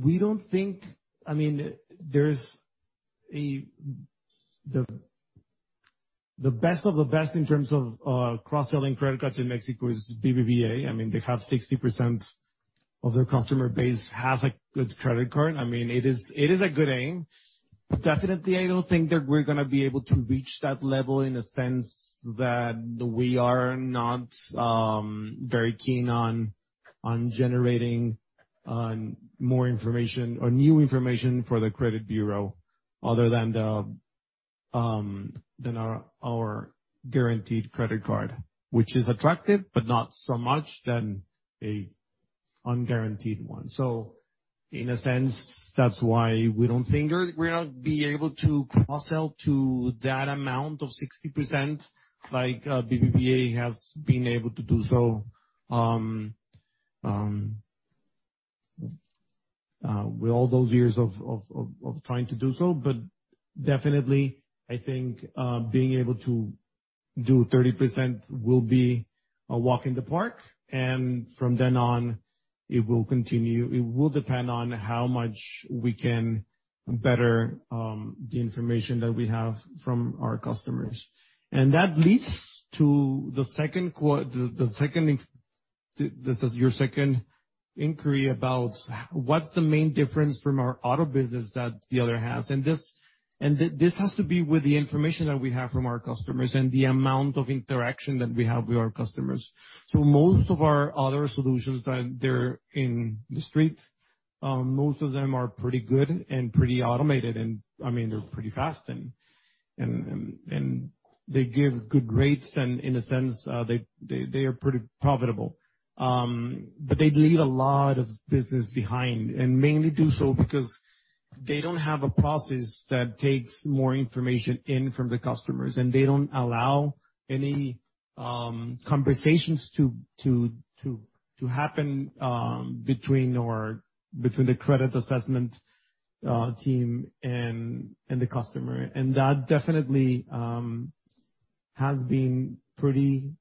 We don't think. I mean, the best of the best in terms of cross-selling credit cards in Mexico is BBVA. I mean, they have 60% of their customer base has a gold credit card. I mean, it is a good aim. Definitely, I don't think that we're gonna be able to reach that level in a sense that we are not very keen on generating more information or new information for the credit bureau other than our guaranteed credit card, which is attractive, but not so much than a unguaranteed one. In a sense, that's why we don't think we're gonna be able to cross-sell to that amount of 60% like BBVA has been able to do so. With all those years of trying to do so. Definitely, I think, being able to do 30% will be a walk in the park, and from then on, it will continue. It will depend on how much we can better the information that we have from our customers. That leads to the second inquiry about what's the main difference from our auto business that the other has. This has to be with the information that we have from our customers and the amount of interaction that we have with our customers. Most of our other solutions that they're in the street, most of them are pretty good and pretty automated. I mean, they're pretty fast and they give good rates, and in a sense, they are pretty profitable. They leave a lot of business behind, and mainly do so because they don't have a process that takes more information in from the customers, and they don't allow any conversations to happen between the credit assessment team and the customer. That definitely has been pretty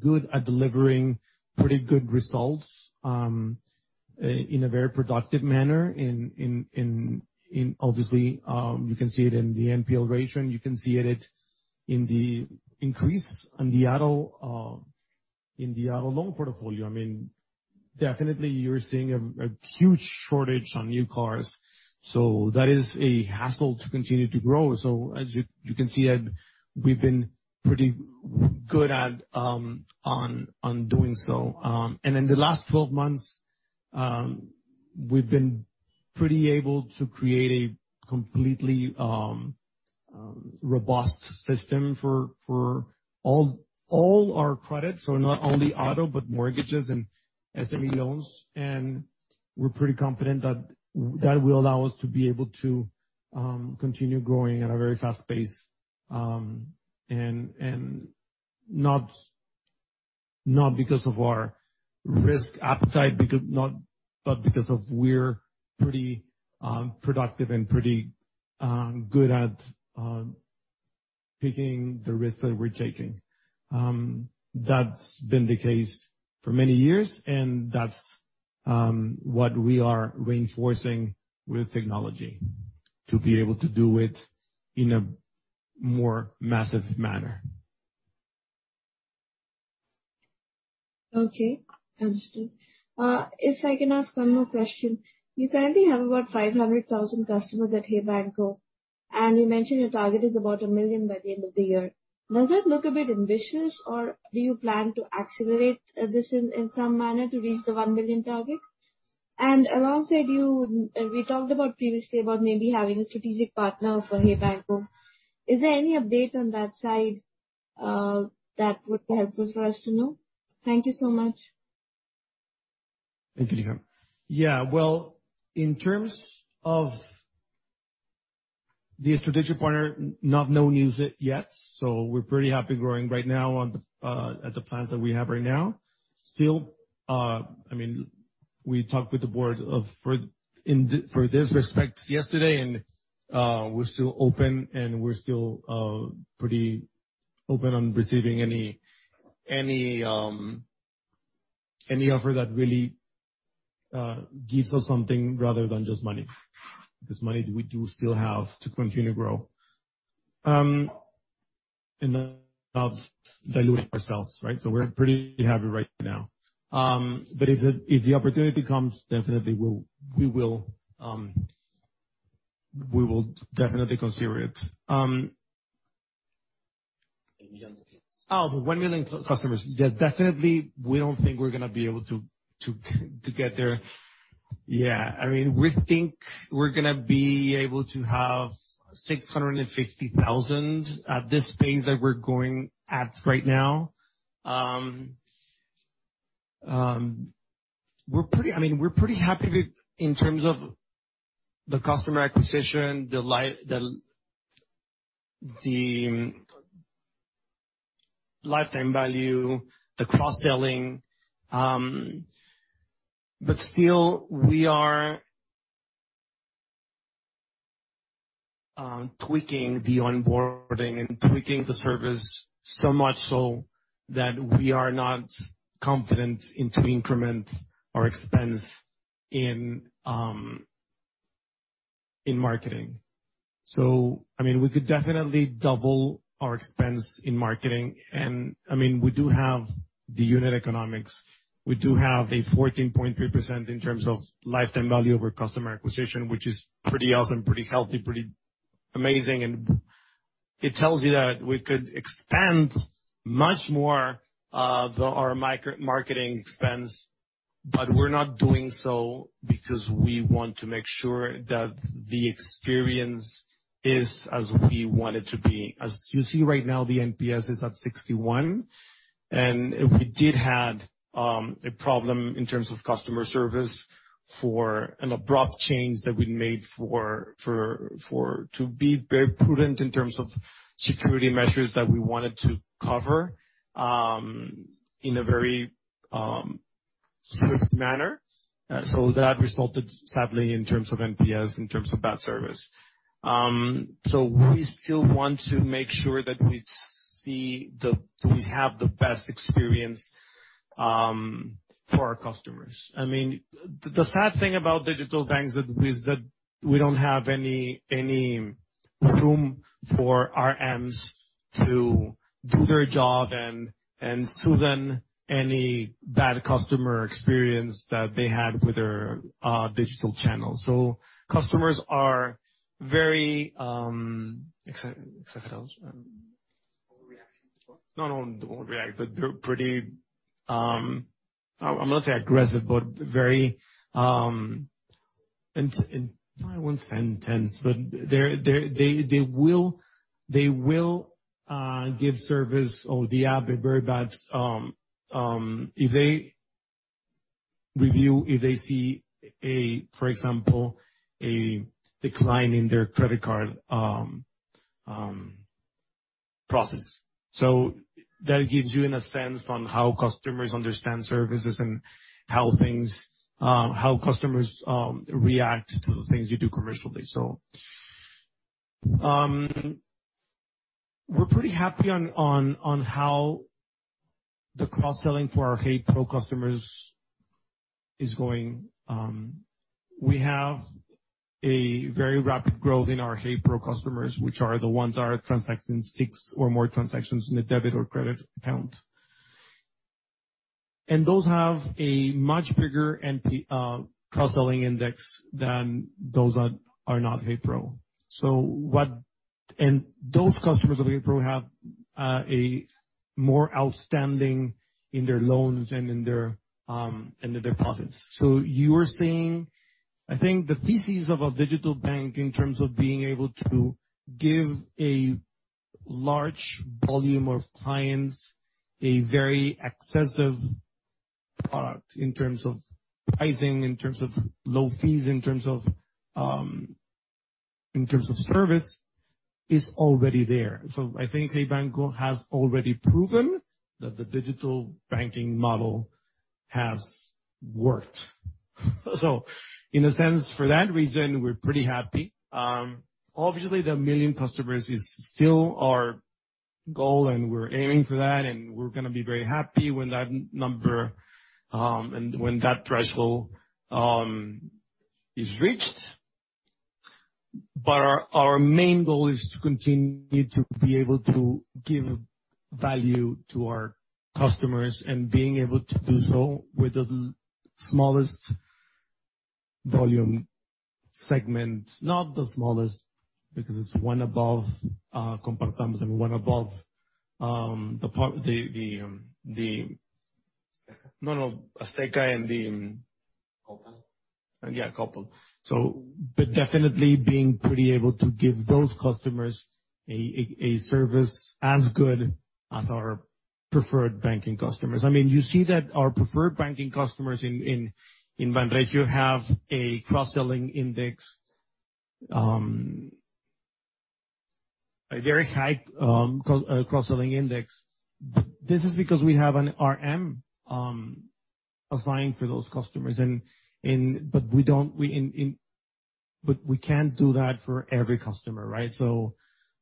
good at delivering pretty good results in a very productive manner. Obviously, you can see it in the NPL ratio. You can see it in the increase in the auto loan portfolio. I mean, definitely you're seeing a huge shortage of new cars, so that is a challenge to continue to grow. As you can see that we've been pretty good at doing so. In the last 12 months, we've been pretty able to create a completely robust system for all our credits. Not only auto, but mortgages and SME loans. We're pretty confident that that will allow us to be able to continue growing at a very fast pace, and not because of our risk appetite, but because we're pretty productive and pretty good at picking the risks that we're taking. That's been the case for many years, and that's what we are reinforcing with technology, to be able to do it in a more massive manner. Okay, understood. If I can ask one more question. You currently have about 500,000 customers at Hey Banco, and you mentioned your target is about 1 million by the end of the year. Does that look a bit ambitious, or do you plan to accelerate this in some manner to reach the 1 million target? Alongside, we talked previously about maybe having a strategic partner for Hey Banco. Is there any update on that side that would be helpful for us to know? Thank you so much. Thank you, Neha. Yeah. Well, in terms of the strategic partner, no news yet. We're pretty happy growing right now at the plans that we have right now. Still, I mean, we talked with the board for this respect yesterday, and we're still open, and we're still pretty open on receiving any offer that really gives us something rather than just money. 'Cause money we do still have to continue to grow, and dilute ourselves, right? We're pretty happy right now. If the opportunity comes, we will definitely consider it. Oh, the 1 million customers. Yeah, definitely, we don't think we're gonna be able to get there. Yeah. I mean, we think we're gonna be able to have 650,000 at this pace that we're going at right now. I mean, we're pretty happy with in terms of the customer acquisition, the lifetime value, the cross-selling. But still, we are tweaking the onboarding and tweaking the service so much so that we are not confident to increment our expense in marketing. So I mean, we could definitely double our expense in marketing. I mean, we do have the unit economics. We do have a 14.3% in terms of lifetime value over customer acquisition, which is pretty awesome, pretty healthy, pretty amazing. It tells you that we could expand much more of our marketing expense, but we're not doing so because we want to make sure that the experience is as we want it to be. As you see right now, the NPS is at 61, and we did have a problem in terms of customer service for an abrupt change that we made for to be very prudent in terms of security measures that we wanted to cover in a very swift manner. That resulted sadly in terms of NPS, in terms of bad service. We still want to make sure that we have the best experience for our customers. I mean, the sad thing about digital banks that is that we don't have any room for RMs to do their job and soothe any bad customer experience that they had with our digital channels. Customers are very. Overreacting. No, no. Don't overreact, but they're pretty. I'm gonna say aggressive, but very. No, I wouldn't say intense, but they will give service or the app a very bad review if they see, for example, a decline in their credit card process. That gives you a sense of how customers understand services and how things, how customers react to the things you do commercially. We're pretty happy on how the cross-selling for our Hey Pro customers is going. We have a very rapid growth in our Hey Pro customers, which are the ones that are transacting six or more transactions in a debit or credit account. Those have a much bigger NPS cross-selling index than those that are not Hey Pro. Those customers of Hey Pro have a more outstanding in their loans and in their deposits. You are seeing, I think, the thesis of a digital bank in terms of being able to give a large volume of clients a very aggressive product in terms of pricing, in terms of low fees, in terms of service, is already there. I think Hey Banco has already proven that the digital banking model has worked. In a sense, for that reason, we're pretty happy. Obviously, the 1 million customers is still our goal, and we're aiming for that, and we're gonna be very happy when that number and when that threshold is reached. Our main goal is to continue to be able to give value to our customers and being able to do so with the smallest volume segment. Not the smallest, because it's one above Compartamos. No, no. Azteca and the- Coppel. Yeah, Coppel. Definitely being pretty able to give those customers a service as good as our preferred banking customers. I mean, you see that our preferred banking customers in Banregio have a very high cross-selling index. This is because we have an RM assigned for those customers, but we don't. But we can't do that for every customer, right?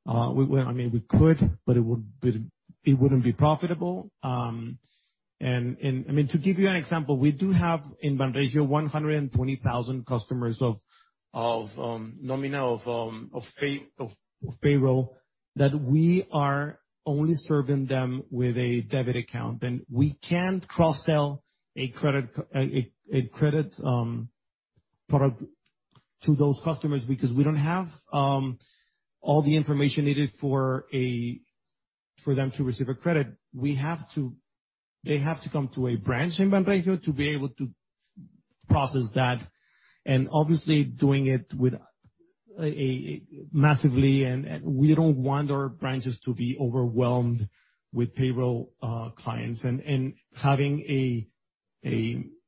I mean, we could, but it wouldn't be profitable. I mean, to give you an example, we do have in Banregio 120,000 customers of nominal payroll that we are only serving them with a debit account. We can't cross-sell a credit product to those customers because we don't have all the information needed for them to receive a credit. They have to come to a branch in Banregio to be able to process that, and obviously doing it massively, and we don't want our branches to be overwhelmed with payroll clients. Having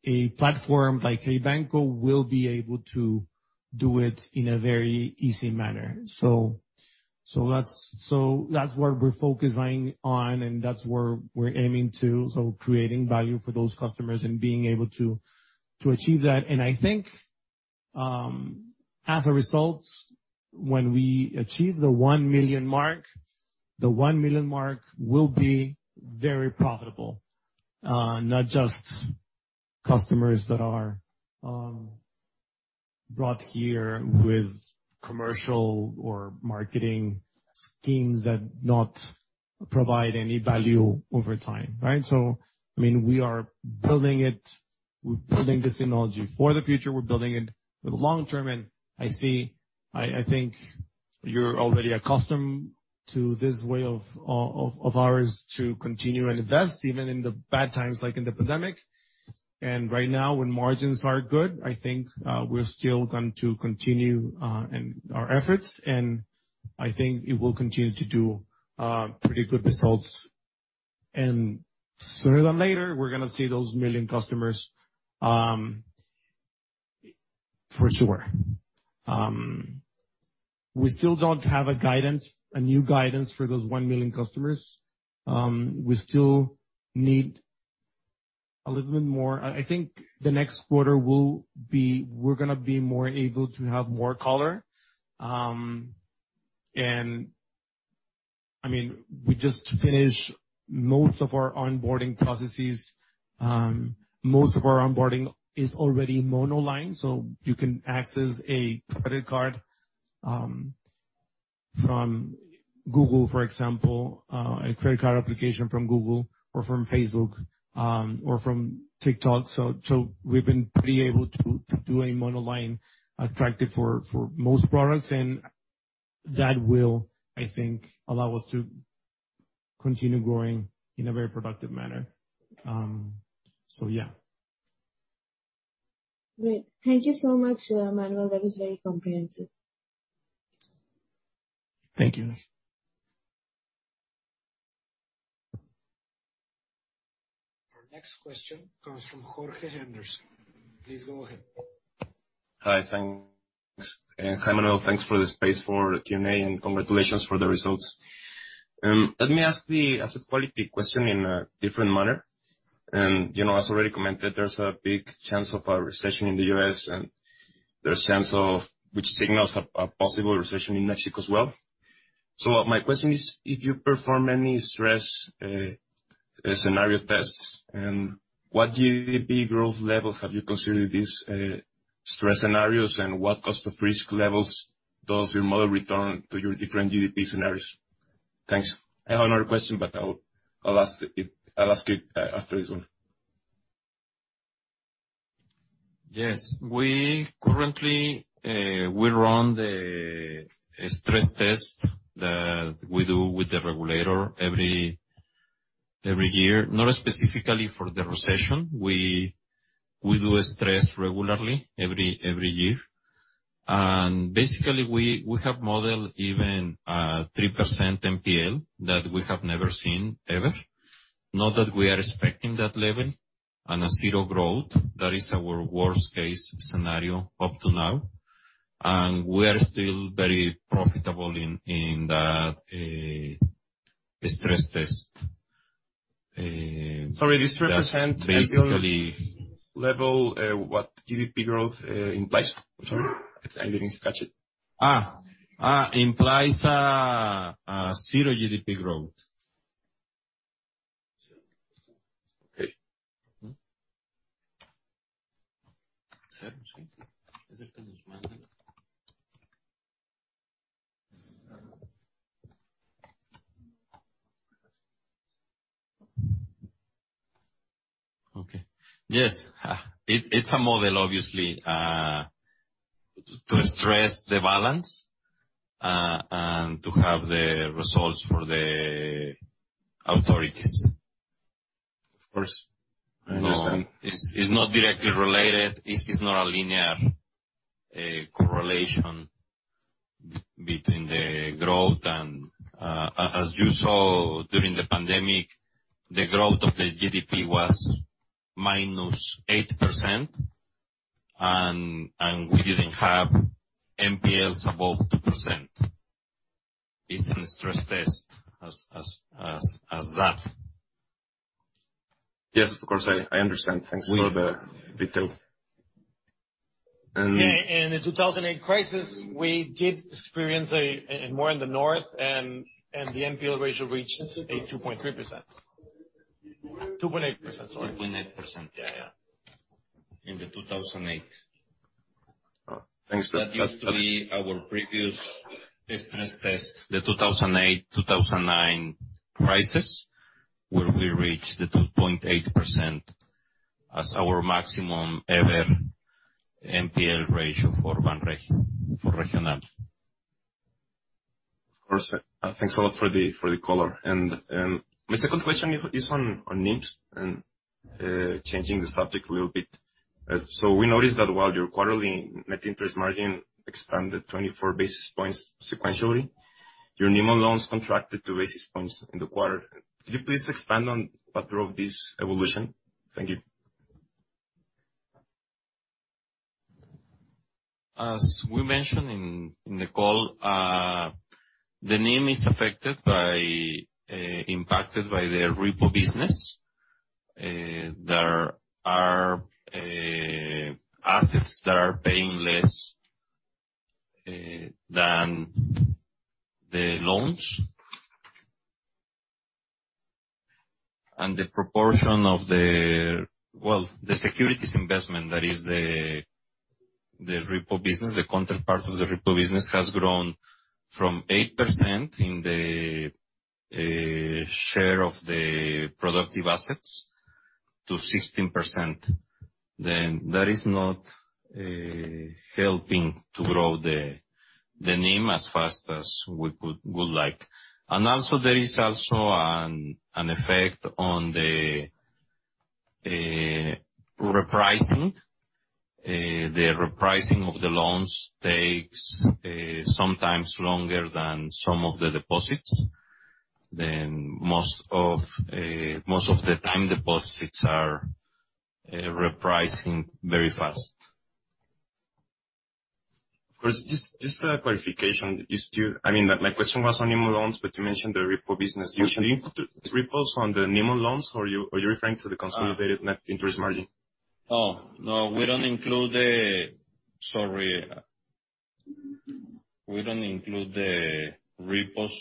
a platform like Hey Banco will be able to do it in a very easy manner. That's what we're focusing on, and that's where we're aiming to. Creating value for those customers and being able to achieve that. I think, as a result, when we achieve the 1 million mark, the 1 million mark will be very profitable. Not just customers that are brought here with commercial or marketing schemes that not provide any value over time, right? I mean, we are building it. We're building this technology for the future. We're building it for the long term. I see. I think you're already accustomed to this way of ours to continue and invest even in the bad times, like in the pandemic. Right now, when margins are good, I think, we're still going to continue in our efforts. I think it will continue to do pretty good results. Sooner than later, we're gonna see those million customers. For sure. We still don't have a guidance, a new guidance for those 1 million customers. We still need a little bit more. I think the next quarter we're gonna be more able to have more color. I mean, we just finished most of our onboarding processes. Most of our onboarding is already monoline, so you can access a credit card from Google, for example, a credit card application from Google or from Facebook or from TikTok. We've been pretty able to do a monoline attractive for most products. That will, I think, allow us to continue growing in a very productive manner. Yeah. Great. Thank you so much, Manuel. That was very comprehensive. Thank you. Our next question comes from Jorge Henderson. Please go ahead. Hi, thanks. Manuel, thanks for the space for the Q&A, and congratulations for the results. Let me ask the asset quality question in a different manner. You know, as already commented, there's a big chance of a recession in the U.S., and there's a chance, which signals a possible recession in Mexico as well. My question is, if you perform any stress scenario tests, and what GDP growth levels have you considered these stress scenarios, and what cost of risk levels does your model return to your different GDP scenarios? Thanks. I have another question, but I'll ask it after this one. Yes. We currently run the stress test that we do with the regulator every year. Not specifically for the recession. We do a stress regularly every year. Basically, we have modeled even 3% NPL that we have never seen ever. Not that we are expecting that level and a zero growth. That is our worst case scenario up to now, and we are still very profitable in that stress test. Sorry, this represent- That's basically. -level, what GDP growth implies? I'm sorry, I didn't catch it. Implies zero GDP growth. Okay. Okay. Yes. It's a model, obviously, to stress the balance, and to have the results for the authorities. Of course. I understand. No, it's not directly related. It is not a linear correlation. As you saw during the pandemic, the growth of the GDP was -8%, and we didn't have NPLs above 2% based on the stress test as that. Yes, of course. I understand. Thanks for the detail. In the 2008 crisis, we did experience more in the North, and the NPL ratio reached a 2.3%. 2.8%, sorry. 2.8%. Yeah, yeah. In 2008. Oh. Thanks. That That used to be our previous stress test, the 2008, 2009 crisis, where we reached the 2.8% as our maximum ever NPL ratio for Regional. Of course. Thanks a lot for the color. My second question is on NIMs and changing the subject a little bit. We noticed that while your quarterly net interest margin expanded 24 basis points sequentially, your NIM on loans contracted 2 basis points in the quarter. Could you please expand on what drove this evolution? Thank you. As we mentioned in the call, the NIM is affected by, impacted by the repo business. There are assets that are paying less than the loans. Well, the proportion of the securities investment, that is the repo business, the counterpart of the repo business, has grown from 8% in the share of the productive assets to 16%. That is not helping to grow the NIM as fast as we would like. Also, there is also an effect on the repricing. The repricing of the loans takes sometimes longer than some of the deposits. Most of the time, the deposits are repricing very fast. Of course. Just a clarification. I mean, my question was on NIM loans, but you mentioned the repo business. Yes. You include repos on the NIM loans, or are you referring to the consolidated net interest margin? We don't include the repos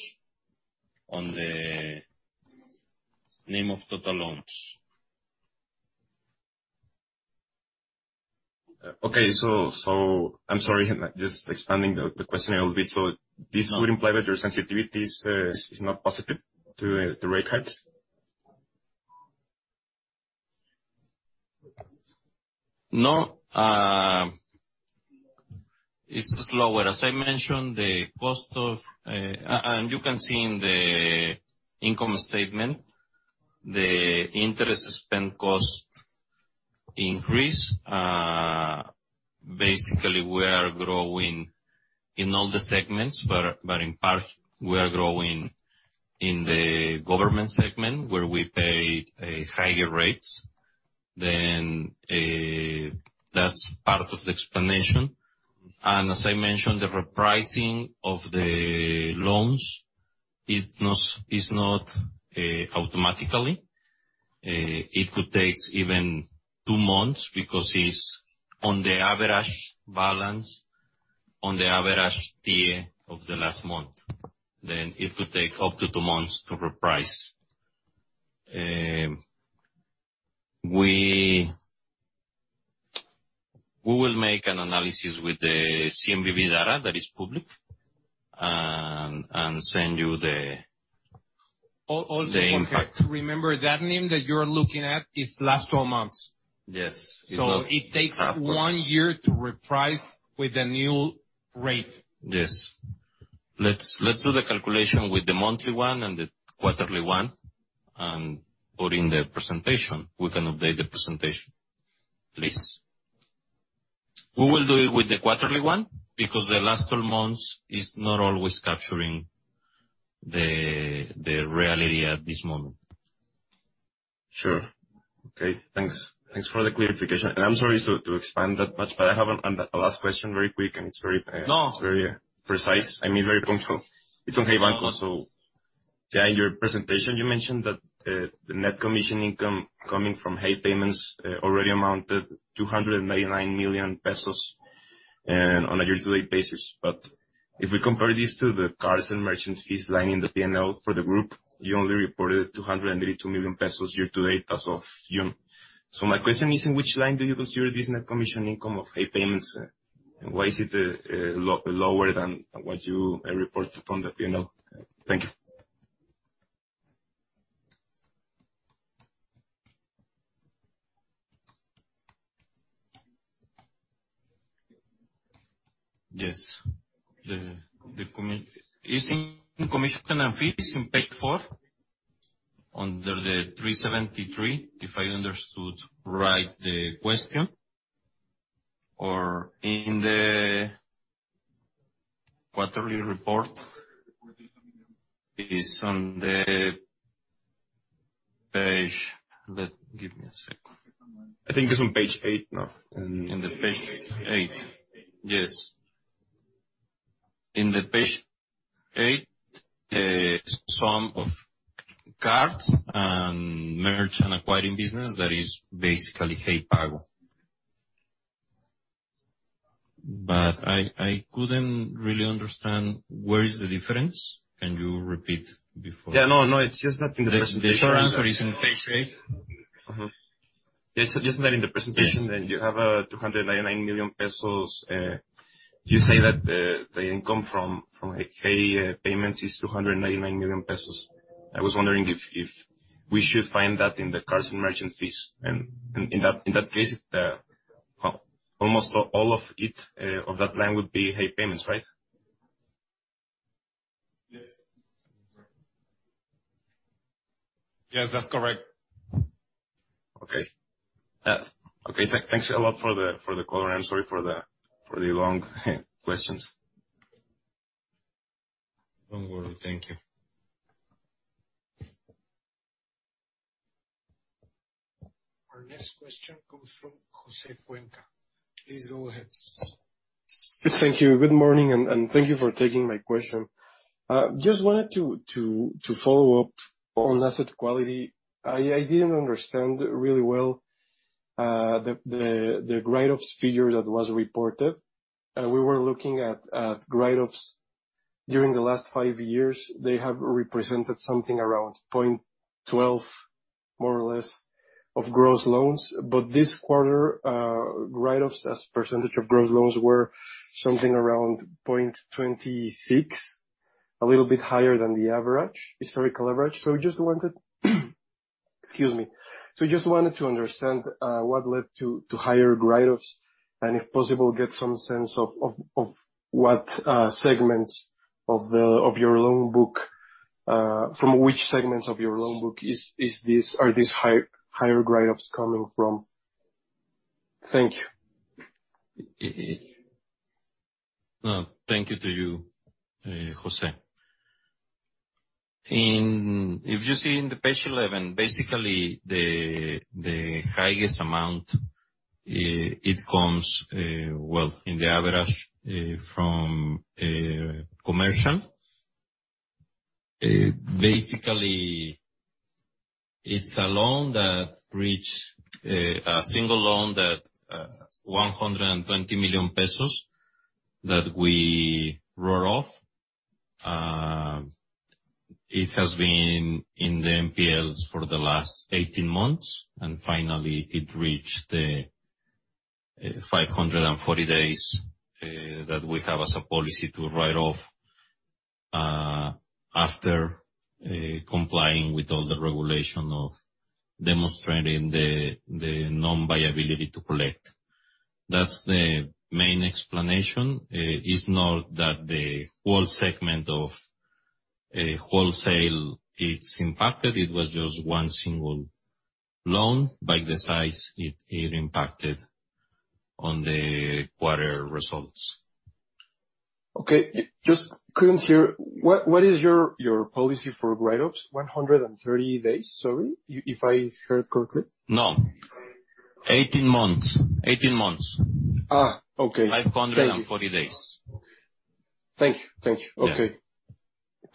on the name of total loans. I'm sorry. I'm like just expanding the question a little bit. This would imply that your sensitivities is not positive to the rate hikes? No. It's just lower. As I mentioned, the cost of, and you can see in the income statement, the interest expense increase. Basically we are growing in all the segments, but in part, we are growing in the government segment, where we pay higher rates than that. That's part of the explanation. As I mentioned, the repricing of the loans is not automatically. It could take even two months because it's on the average balance, on the average tier of the last month. It could take up to two months to reprice. We will make an analysis with the CNBV data that is public, and send you the- Also important to remember, that NIM that you're looking at is last 12 months. Yes. It takes one year to reprice with a new rate. Yes. Let's do the calculation with the monthly one and the quarterly one, and put in the presentation. We can update the presentation, please. We will do it with the quarterly one, because the last 12 months is not always capturing the reality at this moment. Sure. Okay. Thanks. Thanks for the clarification. I'm sorry to expand that much, but I have a last question, very quick, and it's very No. It's very precise. I mean, it's very punctual. It's on Hey Banco. Yeah, in your presentation, you mentioned that the net commission income coming from Hey Pago already amounted 299 million pesos on a year-to-date basis. If we compare this to the cards and merchant fees line in the P&L for the group, you only reported 282 million pesos year-to-date as of June. My question is, in which line do you consider this net commission income of Hey payments, and why is it lower than what you reported from the P&L? Thank you. Yes. It's in commissions and fees on page four, under the 373, if I understood the question right. Or in the quarterly report is on the page. Give me a second. I think it's on page eight now. In page eight. Yes. In page eight, sum of cards and merchant acquiring business, that is basically Hey Pago. I couldn't really understand where is the difference. Can you repeat before? Yeah. No, no, it's just that in the presentation. The short answer is in page eight. Yes, just that in the presentation. Yes. You have 299 million pesos. You say that the income from, like, Hey Pago is 299 million pesos. I was wondering if we should find that in the cards and merchant fees, and in that fees, almost all of it of that line would be Hey Pago, right? Yes. Yes, that's correct. Okay. Thanks a lot for the call, and I'm sorry for the long questions. Don't worry. Thank you. Our next question comes from José Cuenca. Please go ahead. Yes, thank you. Good morning, and thank you for taking my question. Just wanted to follow up on asset quality. I didn't understand really well the write-offs figure that was reported. We were looking at write-offs during the last five years. They have represented something around 0.12, more or less, of gross loans. This quarter, write-offs as percentage of gross loans were something around 0.26%, a little bit higher than the average, historical average. We just wanted to understand what led to higher write-offs, and if possible, get some sense of what segments of your loan book these higher write-offs are coming from. Thank you. No, thank you to you, José. If you see on page 11, basically the highest amount, it comes, well, in the average, from commercial. Basically, it's a single loan that reached 120 million pesos that we wrote off. It has been in the NPLs for the last 18 months, and finally it reached the 540 days that we have as a policy to write off, after complying with all the regulation of demonstrating the non-viability to collect. That's the main explanation. It's not that the whole segment of wholesale is impacted. It was just one single loan. By the size, it impacted on the quarter results. Okay. Just couldn't hear. What is your policy for write-offs? 130 days, sorry, if I heard correctly? No. 18 months. Okay. 540 days. Thank you. Okay.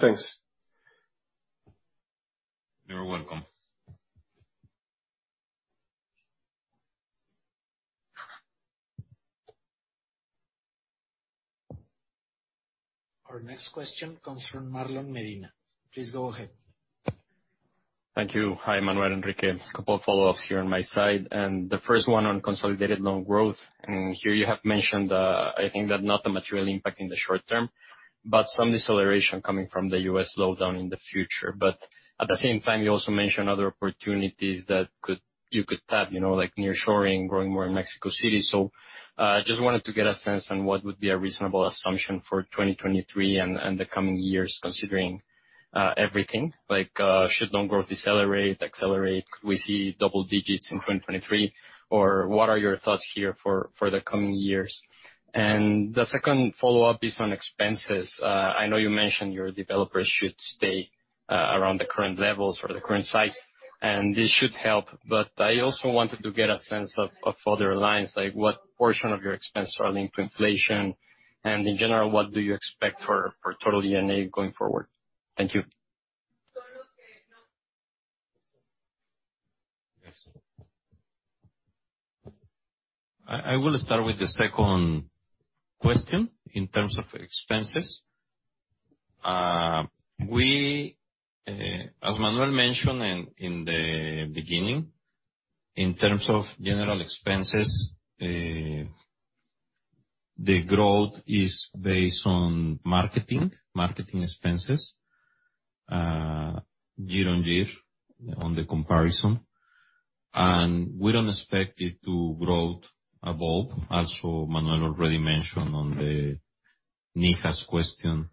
Thanks. You're welcome. Our next question comes from Marlon Medina. Please go ahead. Thank you. Hi, Manuel, Enrique. A couple of follow-ups here on my side, and the first one on consolidated loan growth. Here you have mentioned, I think that not a material impact in the short term, but some deceleration coming from the U.S. slowdown in the future. At the same time, you also mentioned other opportunities that you could tap, you know, like nearshoring, growing more in Mexico City. Just wanted to get a sense on what would be a reasonable assumption for 2023 and the coming years, considering everything. Like, should loan growth decelerate, accelerate? Could we see double digits in 2023? Or what are your thoughts here for the coming years? The second follow-up is on expenses. I know you mentioned your developers should stay around the current levels or the current size, and this should help. I also wanted to get a sense of other lines, like what portion of your expense are linked to inflation? In general, what do you expect for total D&A going forward? Thank you. I will start with the second question in terms of expenses. We, as Manuel mentioned in the beginning, in terms of general expenses, the growth is based on marketing expenses year-over-year comparison, and we don't expect it to grow above. Also, Manuel already mentioned on the Neha's question,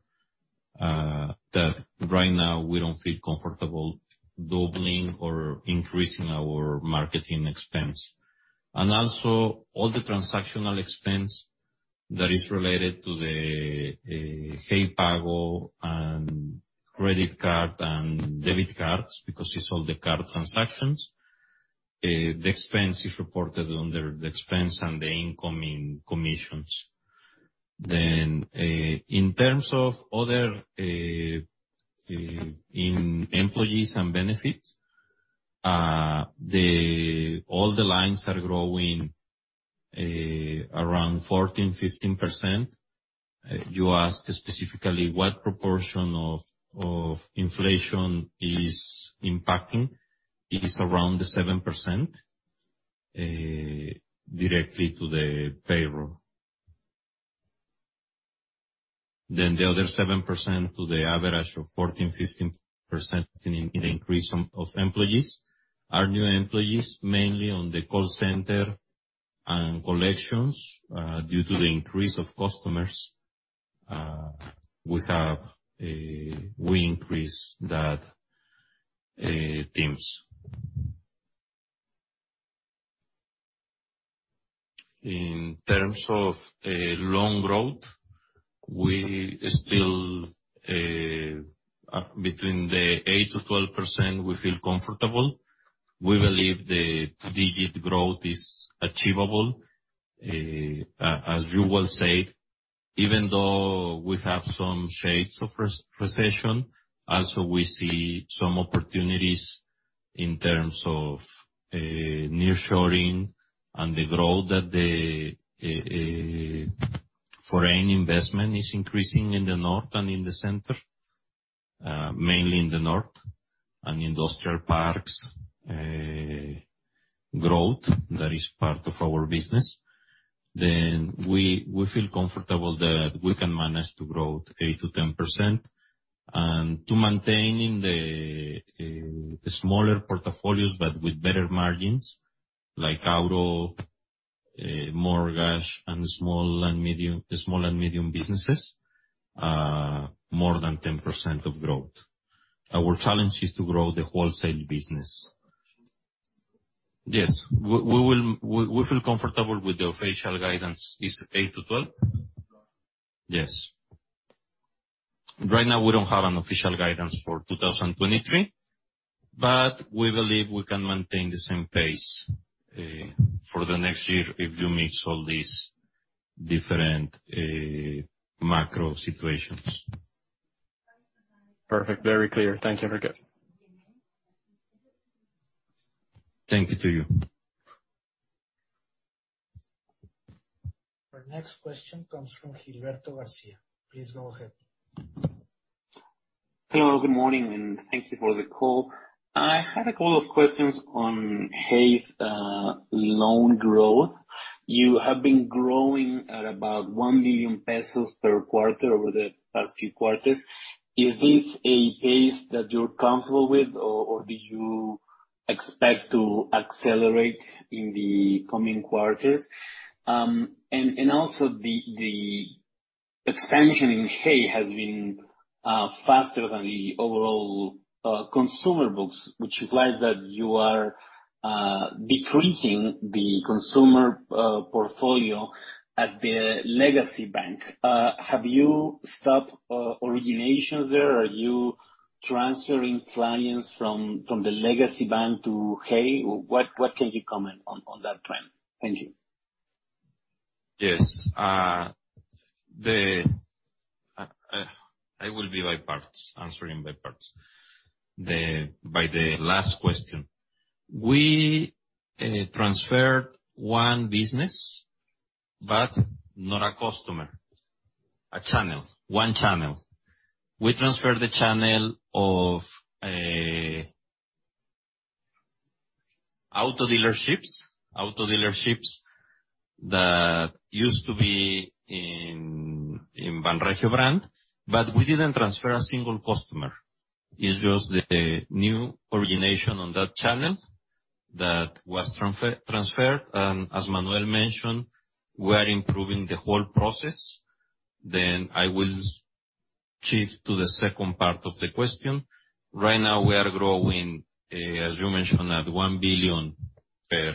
that right now we don't feel comfortable doubling or increasing our marketing expense. All the transactional expense that is related to the Hey Pago and credit card and debit cards, because we sold the card transactions, the expense is reported under the expense and the incoming commissions. In terms of other in employees and benefits, all the lines are growing around 14%-15%. You asked specifically what proportion of inflation is impacting. It is around 7% directly to the payroll. The other 7% to the average of 14%-15% in increase of employees are new employees, mainly on the call center and collections. Due to the increase of customers, we increased that teams. In terms of loan growth, we still between the 8%-12%, we feel comfortable. We believe the two-digit growth is achievable. As you well said, even though we have some shades of recession, also we see some opportunities in terms of nearshoring and the growth that the foreign investment is increasing in the north and in the center, mainly in the north and industrial parks, growth that is part of our business. We feel comfortable that we can manage to grow 8%-10% and to maintaining the smaller portfolios, but with better margins, like auto, mortgage, and small and medium businesses, more than 10% of growth. Our challenge is to grow the wholesale business. Yes. We feel comfortable with the official guidance is 8%-12%. Yes. Right now, we don't have an official guidance for 2023, but we believe we can maintain the same pace for the next year if you mix all these different macro situations. Perfect. Very clear. Thank you, Enrique. Thank you to you. Our next question comes from Gilberto García. Please go ahead. Hello, good morning, and thank you for the call. I had a couple of questions on Hey's loan growth. You have been growing at about 1 billion pesos per quarter over the past few quarters. Is this a pace that you're comfortable with or do you expect to accelerate in the coming quarters? Also, the expansion in HEY has been faster than the overall consumer books, which implies that you are decreasing the consumer portfolio at the legacy bank. Have you stopped origination there? Are you transferring clients from the legacy bank to HEY, or what can you comment on that trend? Thank you. Yes. I will be by parts, answering by parts. By the last question, we transferred one business, but not a customer. A channel. One channel. We transferred the channel of auto dealerships that used to be in Banregio brand, but we didn't transfer a single customer. It's just the new origination on that channel that was transferred. As Manuel mentioned, we are improving the whole process. I will shift to the second part of the question. Right now, we are growing, as you mentioned, at 1 billion per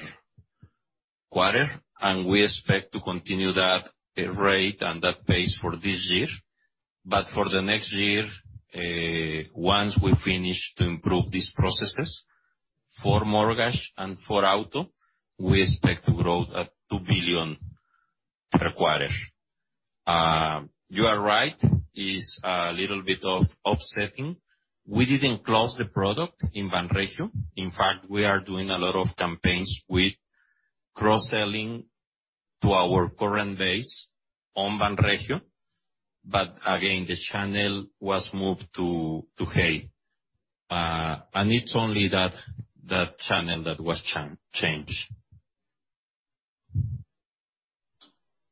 quarter, and we expect to continue that rate and that pace for this year. For the next year, once we finish to improve these processes for mortgage and for auto, we expect to grow at 2 billion per quarter. You are right. It's a little bit of offsetting. We didn't close the product in Banregio. In fact, we are doing a lot of campaigns with cross-selling to our current base on Banregio. Again, the channel was moved to Hey. It's only that channel that was changed.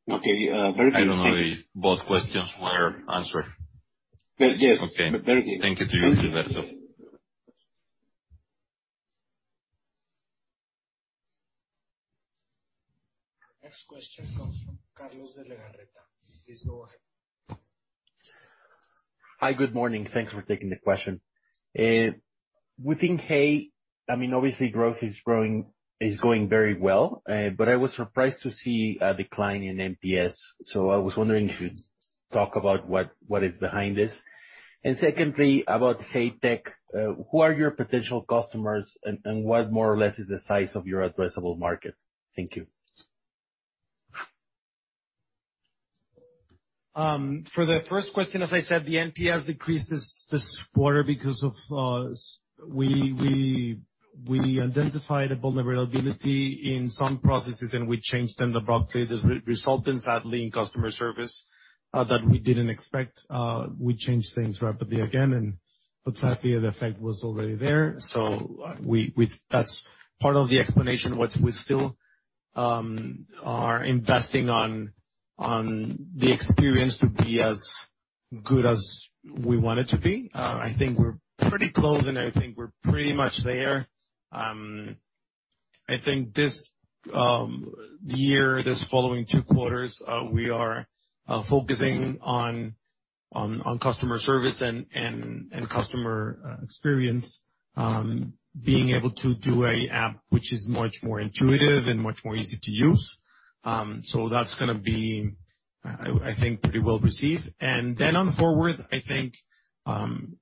Okay. I don't know if both questions were answered. Yes. Okay. Very good. Thank you to you, Gilberto. Next question comes from Carlos de Lagarreta. Please go ahead. Hi, good morning. Thanks for taking the question. Within Hey, I mean, obviously, growth is going very well, but I was surprised to see a decline in NPS. I was wondering if you'd talk about what is behind this. Secondly, about Hey Tech, who are your potential customers and what more or less is the size of your addressable market? Thank you. For the first question, as I said, the NPS decreased this quarter because we identified a vulnerability in some processes, and we changed them abruptly. The result, sadly, in customer service that we didn't expect. We changed things rapidly again, but sadly, the effect was already there. That's part of the explanation, what we still are investing in the experience to be as good as we want it to be. I think we're pretty close, and I think we're pretty much there. I think this year, this following two quarters, we are focusing on customer service and customer experience. Being able to do an app which is much more intuitive and much more easy to use. That's gonna be, I think pretty well received. Going forward, I think,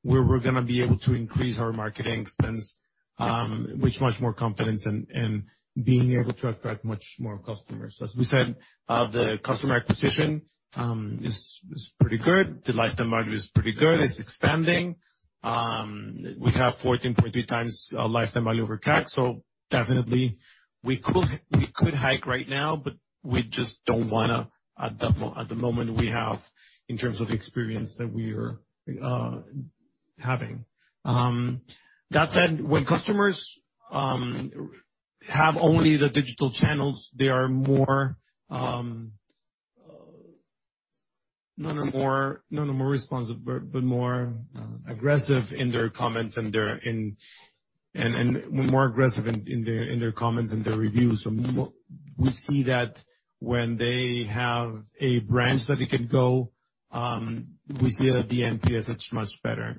we're gonna be able to increase our marketing spends with much more confidence and being able to attract much more customers. As we said, the customer acquisition is pretty good. The lifetime value is pretty good. It's expanding. We have 14.3x our lifetime value over CAC, so definitely we could hike right now, but we just don't wanna at the moment we have in terms of experience that we are having. That said, when customers have only the digital channels, they are more, not more responsive, but more aggressive in their comments and their in. More aggressive in their comments and their reviews. We see that when they have a branch that they can go to, we see that the NPS is much better.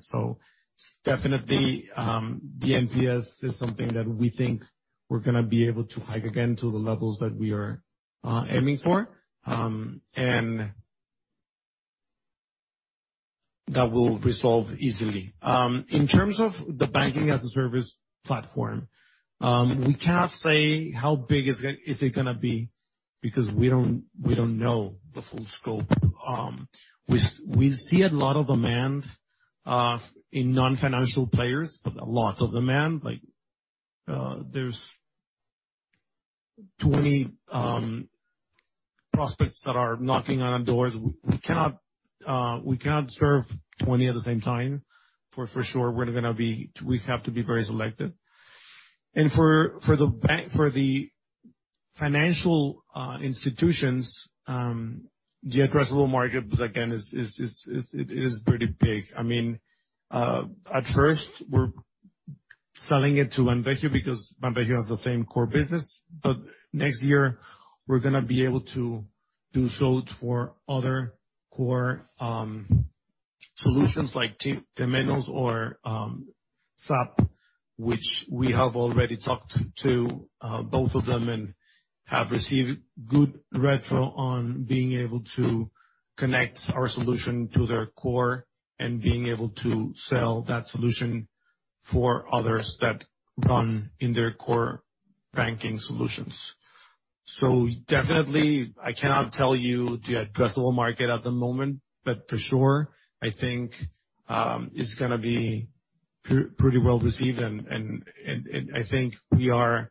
Definitely, the NPS is something that we think we're gonna be able to hike again to the levels that we are aiming for. And that will resolve easily. In terms of the Banking as a Service platform, we cannot say how big is it, is it gonna be because we don't know the full scope. We see a lot of demand in non-financial players, but a lot of demand, like, there's 20 prospects that are knocking on our doors. We cannot serve 20 at the same time, for sure we're gonna be... We have to be very selective. For the financial institutions, the addressable market, again, is pretty big. I mean, at first, we're selling it to Banregio because Banregio has the same core business. Next year, we're gonna be able to do so for other core solutions like Temenos or SAP, which we have already talked to both of them and have received good feedback on being able to connect our solution to their core and being able to sell that solution for others that run in their core banking solutions. Definitely, I cannot tell you the addressable market at the moment, but for sure, I think it's gonna be pretty well received. I think we are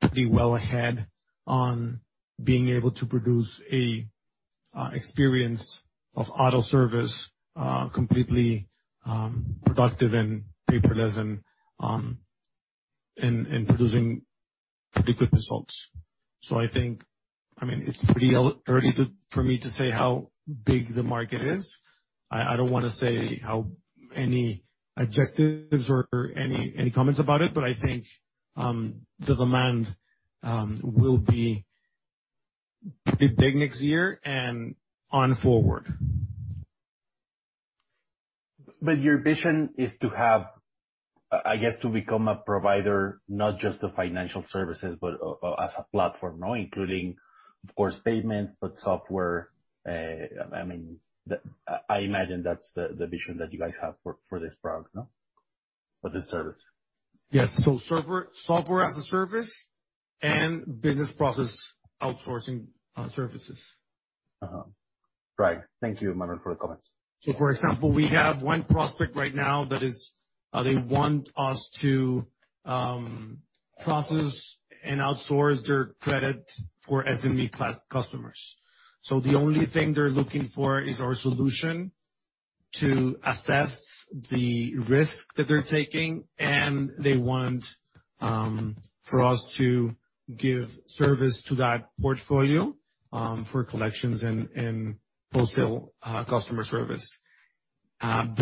pretty well ahead on being able to produce a experience of auto service completely productive and paperless and producing pretty good results. I think, I mean, it's pretty early to for me to say how big the market is. I don't wanna say how many objectives or any comments about it. I think the demand will be pretty big next year and onward. Your vision is to have, I guess, to become a provider, not just the financial services, but as a platform, no? Including, of course, payments, but software. I mean, I imagine that's the vision that you guys have for this product, no? For this service. Yes. Software as a service and business process outsourcing services. Right. Thank you, Manuel, for the comments. For example, we have one prospect right now that is, they want us to process and outsource their credit for SME customers. The only thing they're looking for is our solution to assess the risk that they're taking, and they want for us to give service to that portfolio for collections and wholesale customer service. But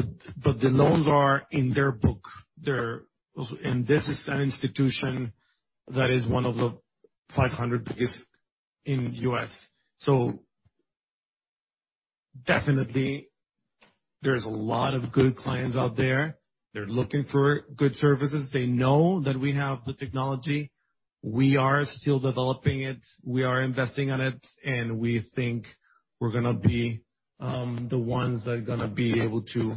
the loans are in their book. This is an institution that is one of the 500 biggest in U.S. Definitely, there's a lot of good clients out there. They're looking for good services. They know that we have the technology. We are still developing it, we are investing on it, and we think we're gonna be the ones that are gonna be able to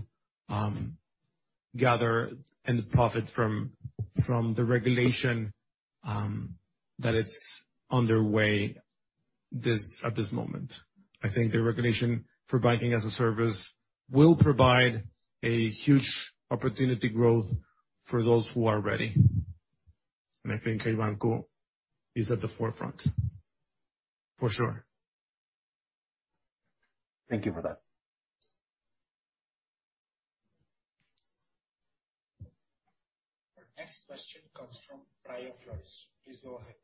gather and profit from the regulation that it's underway at this moment. I think the regulation for Banking as a Service will provide a huge opportunity growth for those who are ready. I think Hey Banco is at the forefront, for sure. Thank you for that. Our next question comes from Brian Flores. Please go ahead.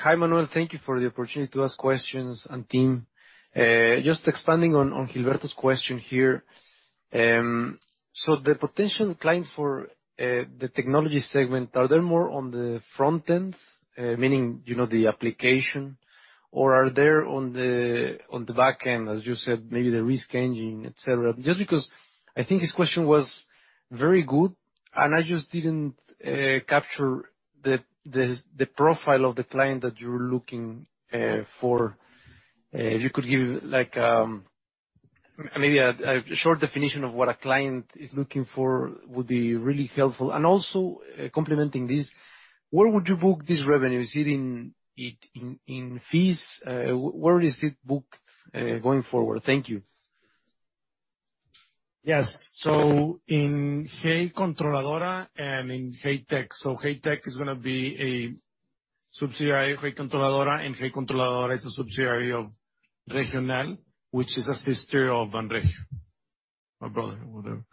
Hi, Manuel. Thank you for the opportunity to ask questions to the team. Just expanding on Gilberto's question here. So the potential clients for the technology segment, are they more on the front end, meaning, you know, the application? Or are they on the back end, as you said, maybe the risk engine, et cetera? Just because I think his question was very good, and I just didn't capture the profile of the client that you're looking for. If you could give like, maybe a short definition of what a client is looking for would be really helpful. Also complementing this, where would you book this revenue? Is it in fees? Where is it booked going forward? Thank you. Yes. In Hey Controladora and in Hey Tech. Hey Tech is gonna be a subsidiary of Hey Controladora, and Hey Controladora is a subsidiary of Regional, which is a sister of Banregio. My brother, whatever.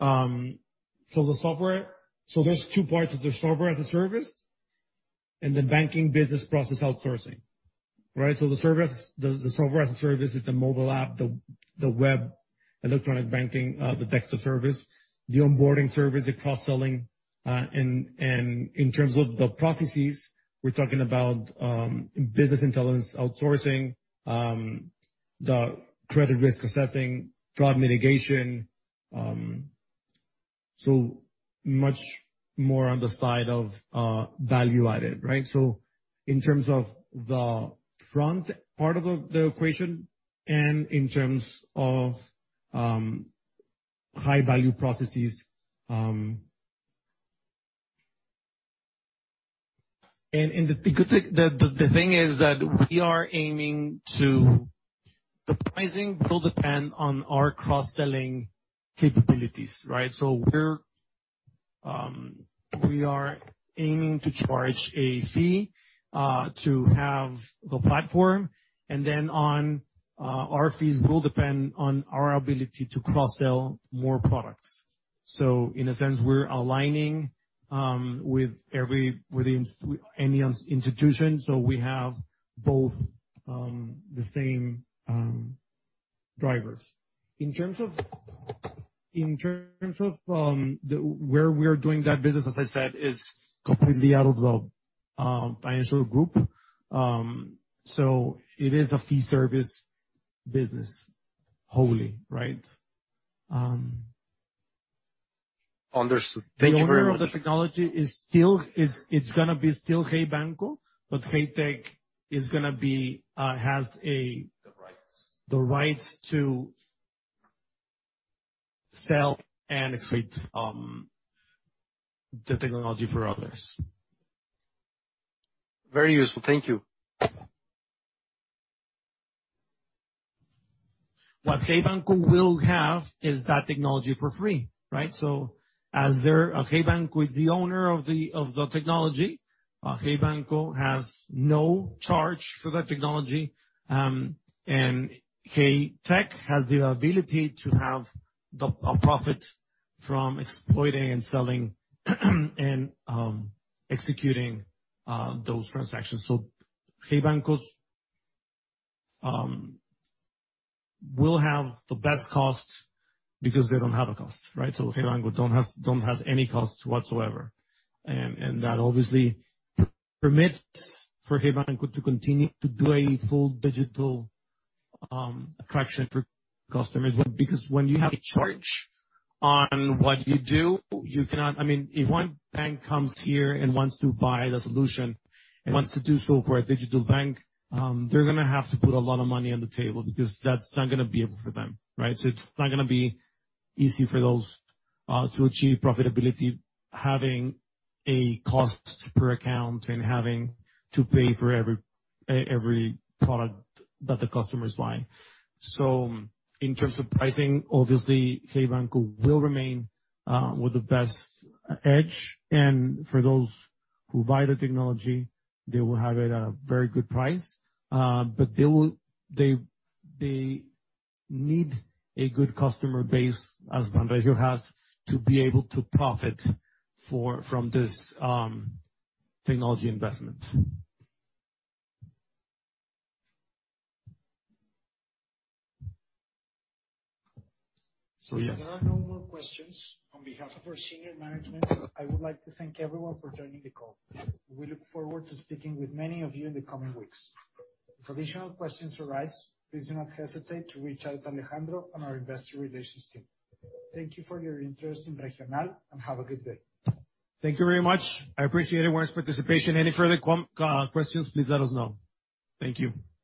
The software. There's two parts, there's software as a service and then banking business process outsourcing. Right? The service, the software as a service is the mobile app, the web electronic banking, the desktop service, the onboarding service, the cross-selling, and in terms of the processes, we're talking about business intelligence outsourcing, the credit risk assessment, fraud mitigation. Much more on the side of value-added, right? In terms of the front part of the equation and in terms of high-value processes. The thing is that the pricing will depend on our cross-selling capabilities, right? We are aiming to charge a fee to have the platform, and then our fees will depend on our ability to cross-sell more products. In a sense, we're aligning with any institution, so we have both the same drivers. In terms of where we are doing that business, as I said, is completely out of the financial group. It is a fee service business wholly, right? Understood. Thank you very much. The owner of the technology is still. It's gonna be still Hey Banco, but Hey Tech is gonna be has a- The rights. The rights to sell and exploit, the technology for others. Very useful. Thank you. What Hey Banco will have is that technology for free, right? Hey Banco is the owner of the technology. Hey Banco has no charge for that technology. Hey Tech has the ability to have a profit from exploiting and selling and executing those transactions. Hey Banco will have the best cost because they don't have a cost, right? Hey Banco doesn't have any cost whatsoever. That obviously permits Hey Banco to continue to do a full digital attraction for customers. Because when you have a charge on what you do, you cannot. I mean, if one bank comes here and wants to buy the solution and wants to do so for a digital bank, they're gonna have to put a lot of money on the table because that's not gonna be it for them, right? It's not gonna be easy for those to achieve profitability, having a cost per account and having to pay for every product that the customers buy. In terms of pricing, obviously, Hey Banco will remain with the best edge. For those who buy the technology, they will have it at a very good price. But they will. They need a good customer base, as Banregio has, to be able to profit from this technology investment. Yes. There are no more questions. On behalf of our senior management, I would like to thank everyone for joining the call. We look forward to speaking with many of you in the coming weeks. If additional questions arise, please do not hesitate to reach out to Alejandro on our Investor Relations team. Thank you for your interest in Regional, and have a good day. Thank you very much. I appreciate everyone's participation. Any further questions, please let us know. Thank you.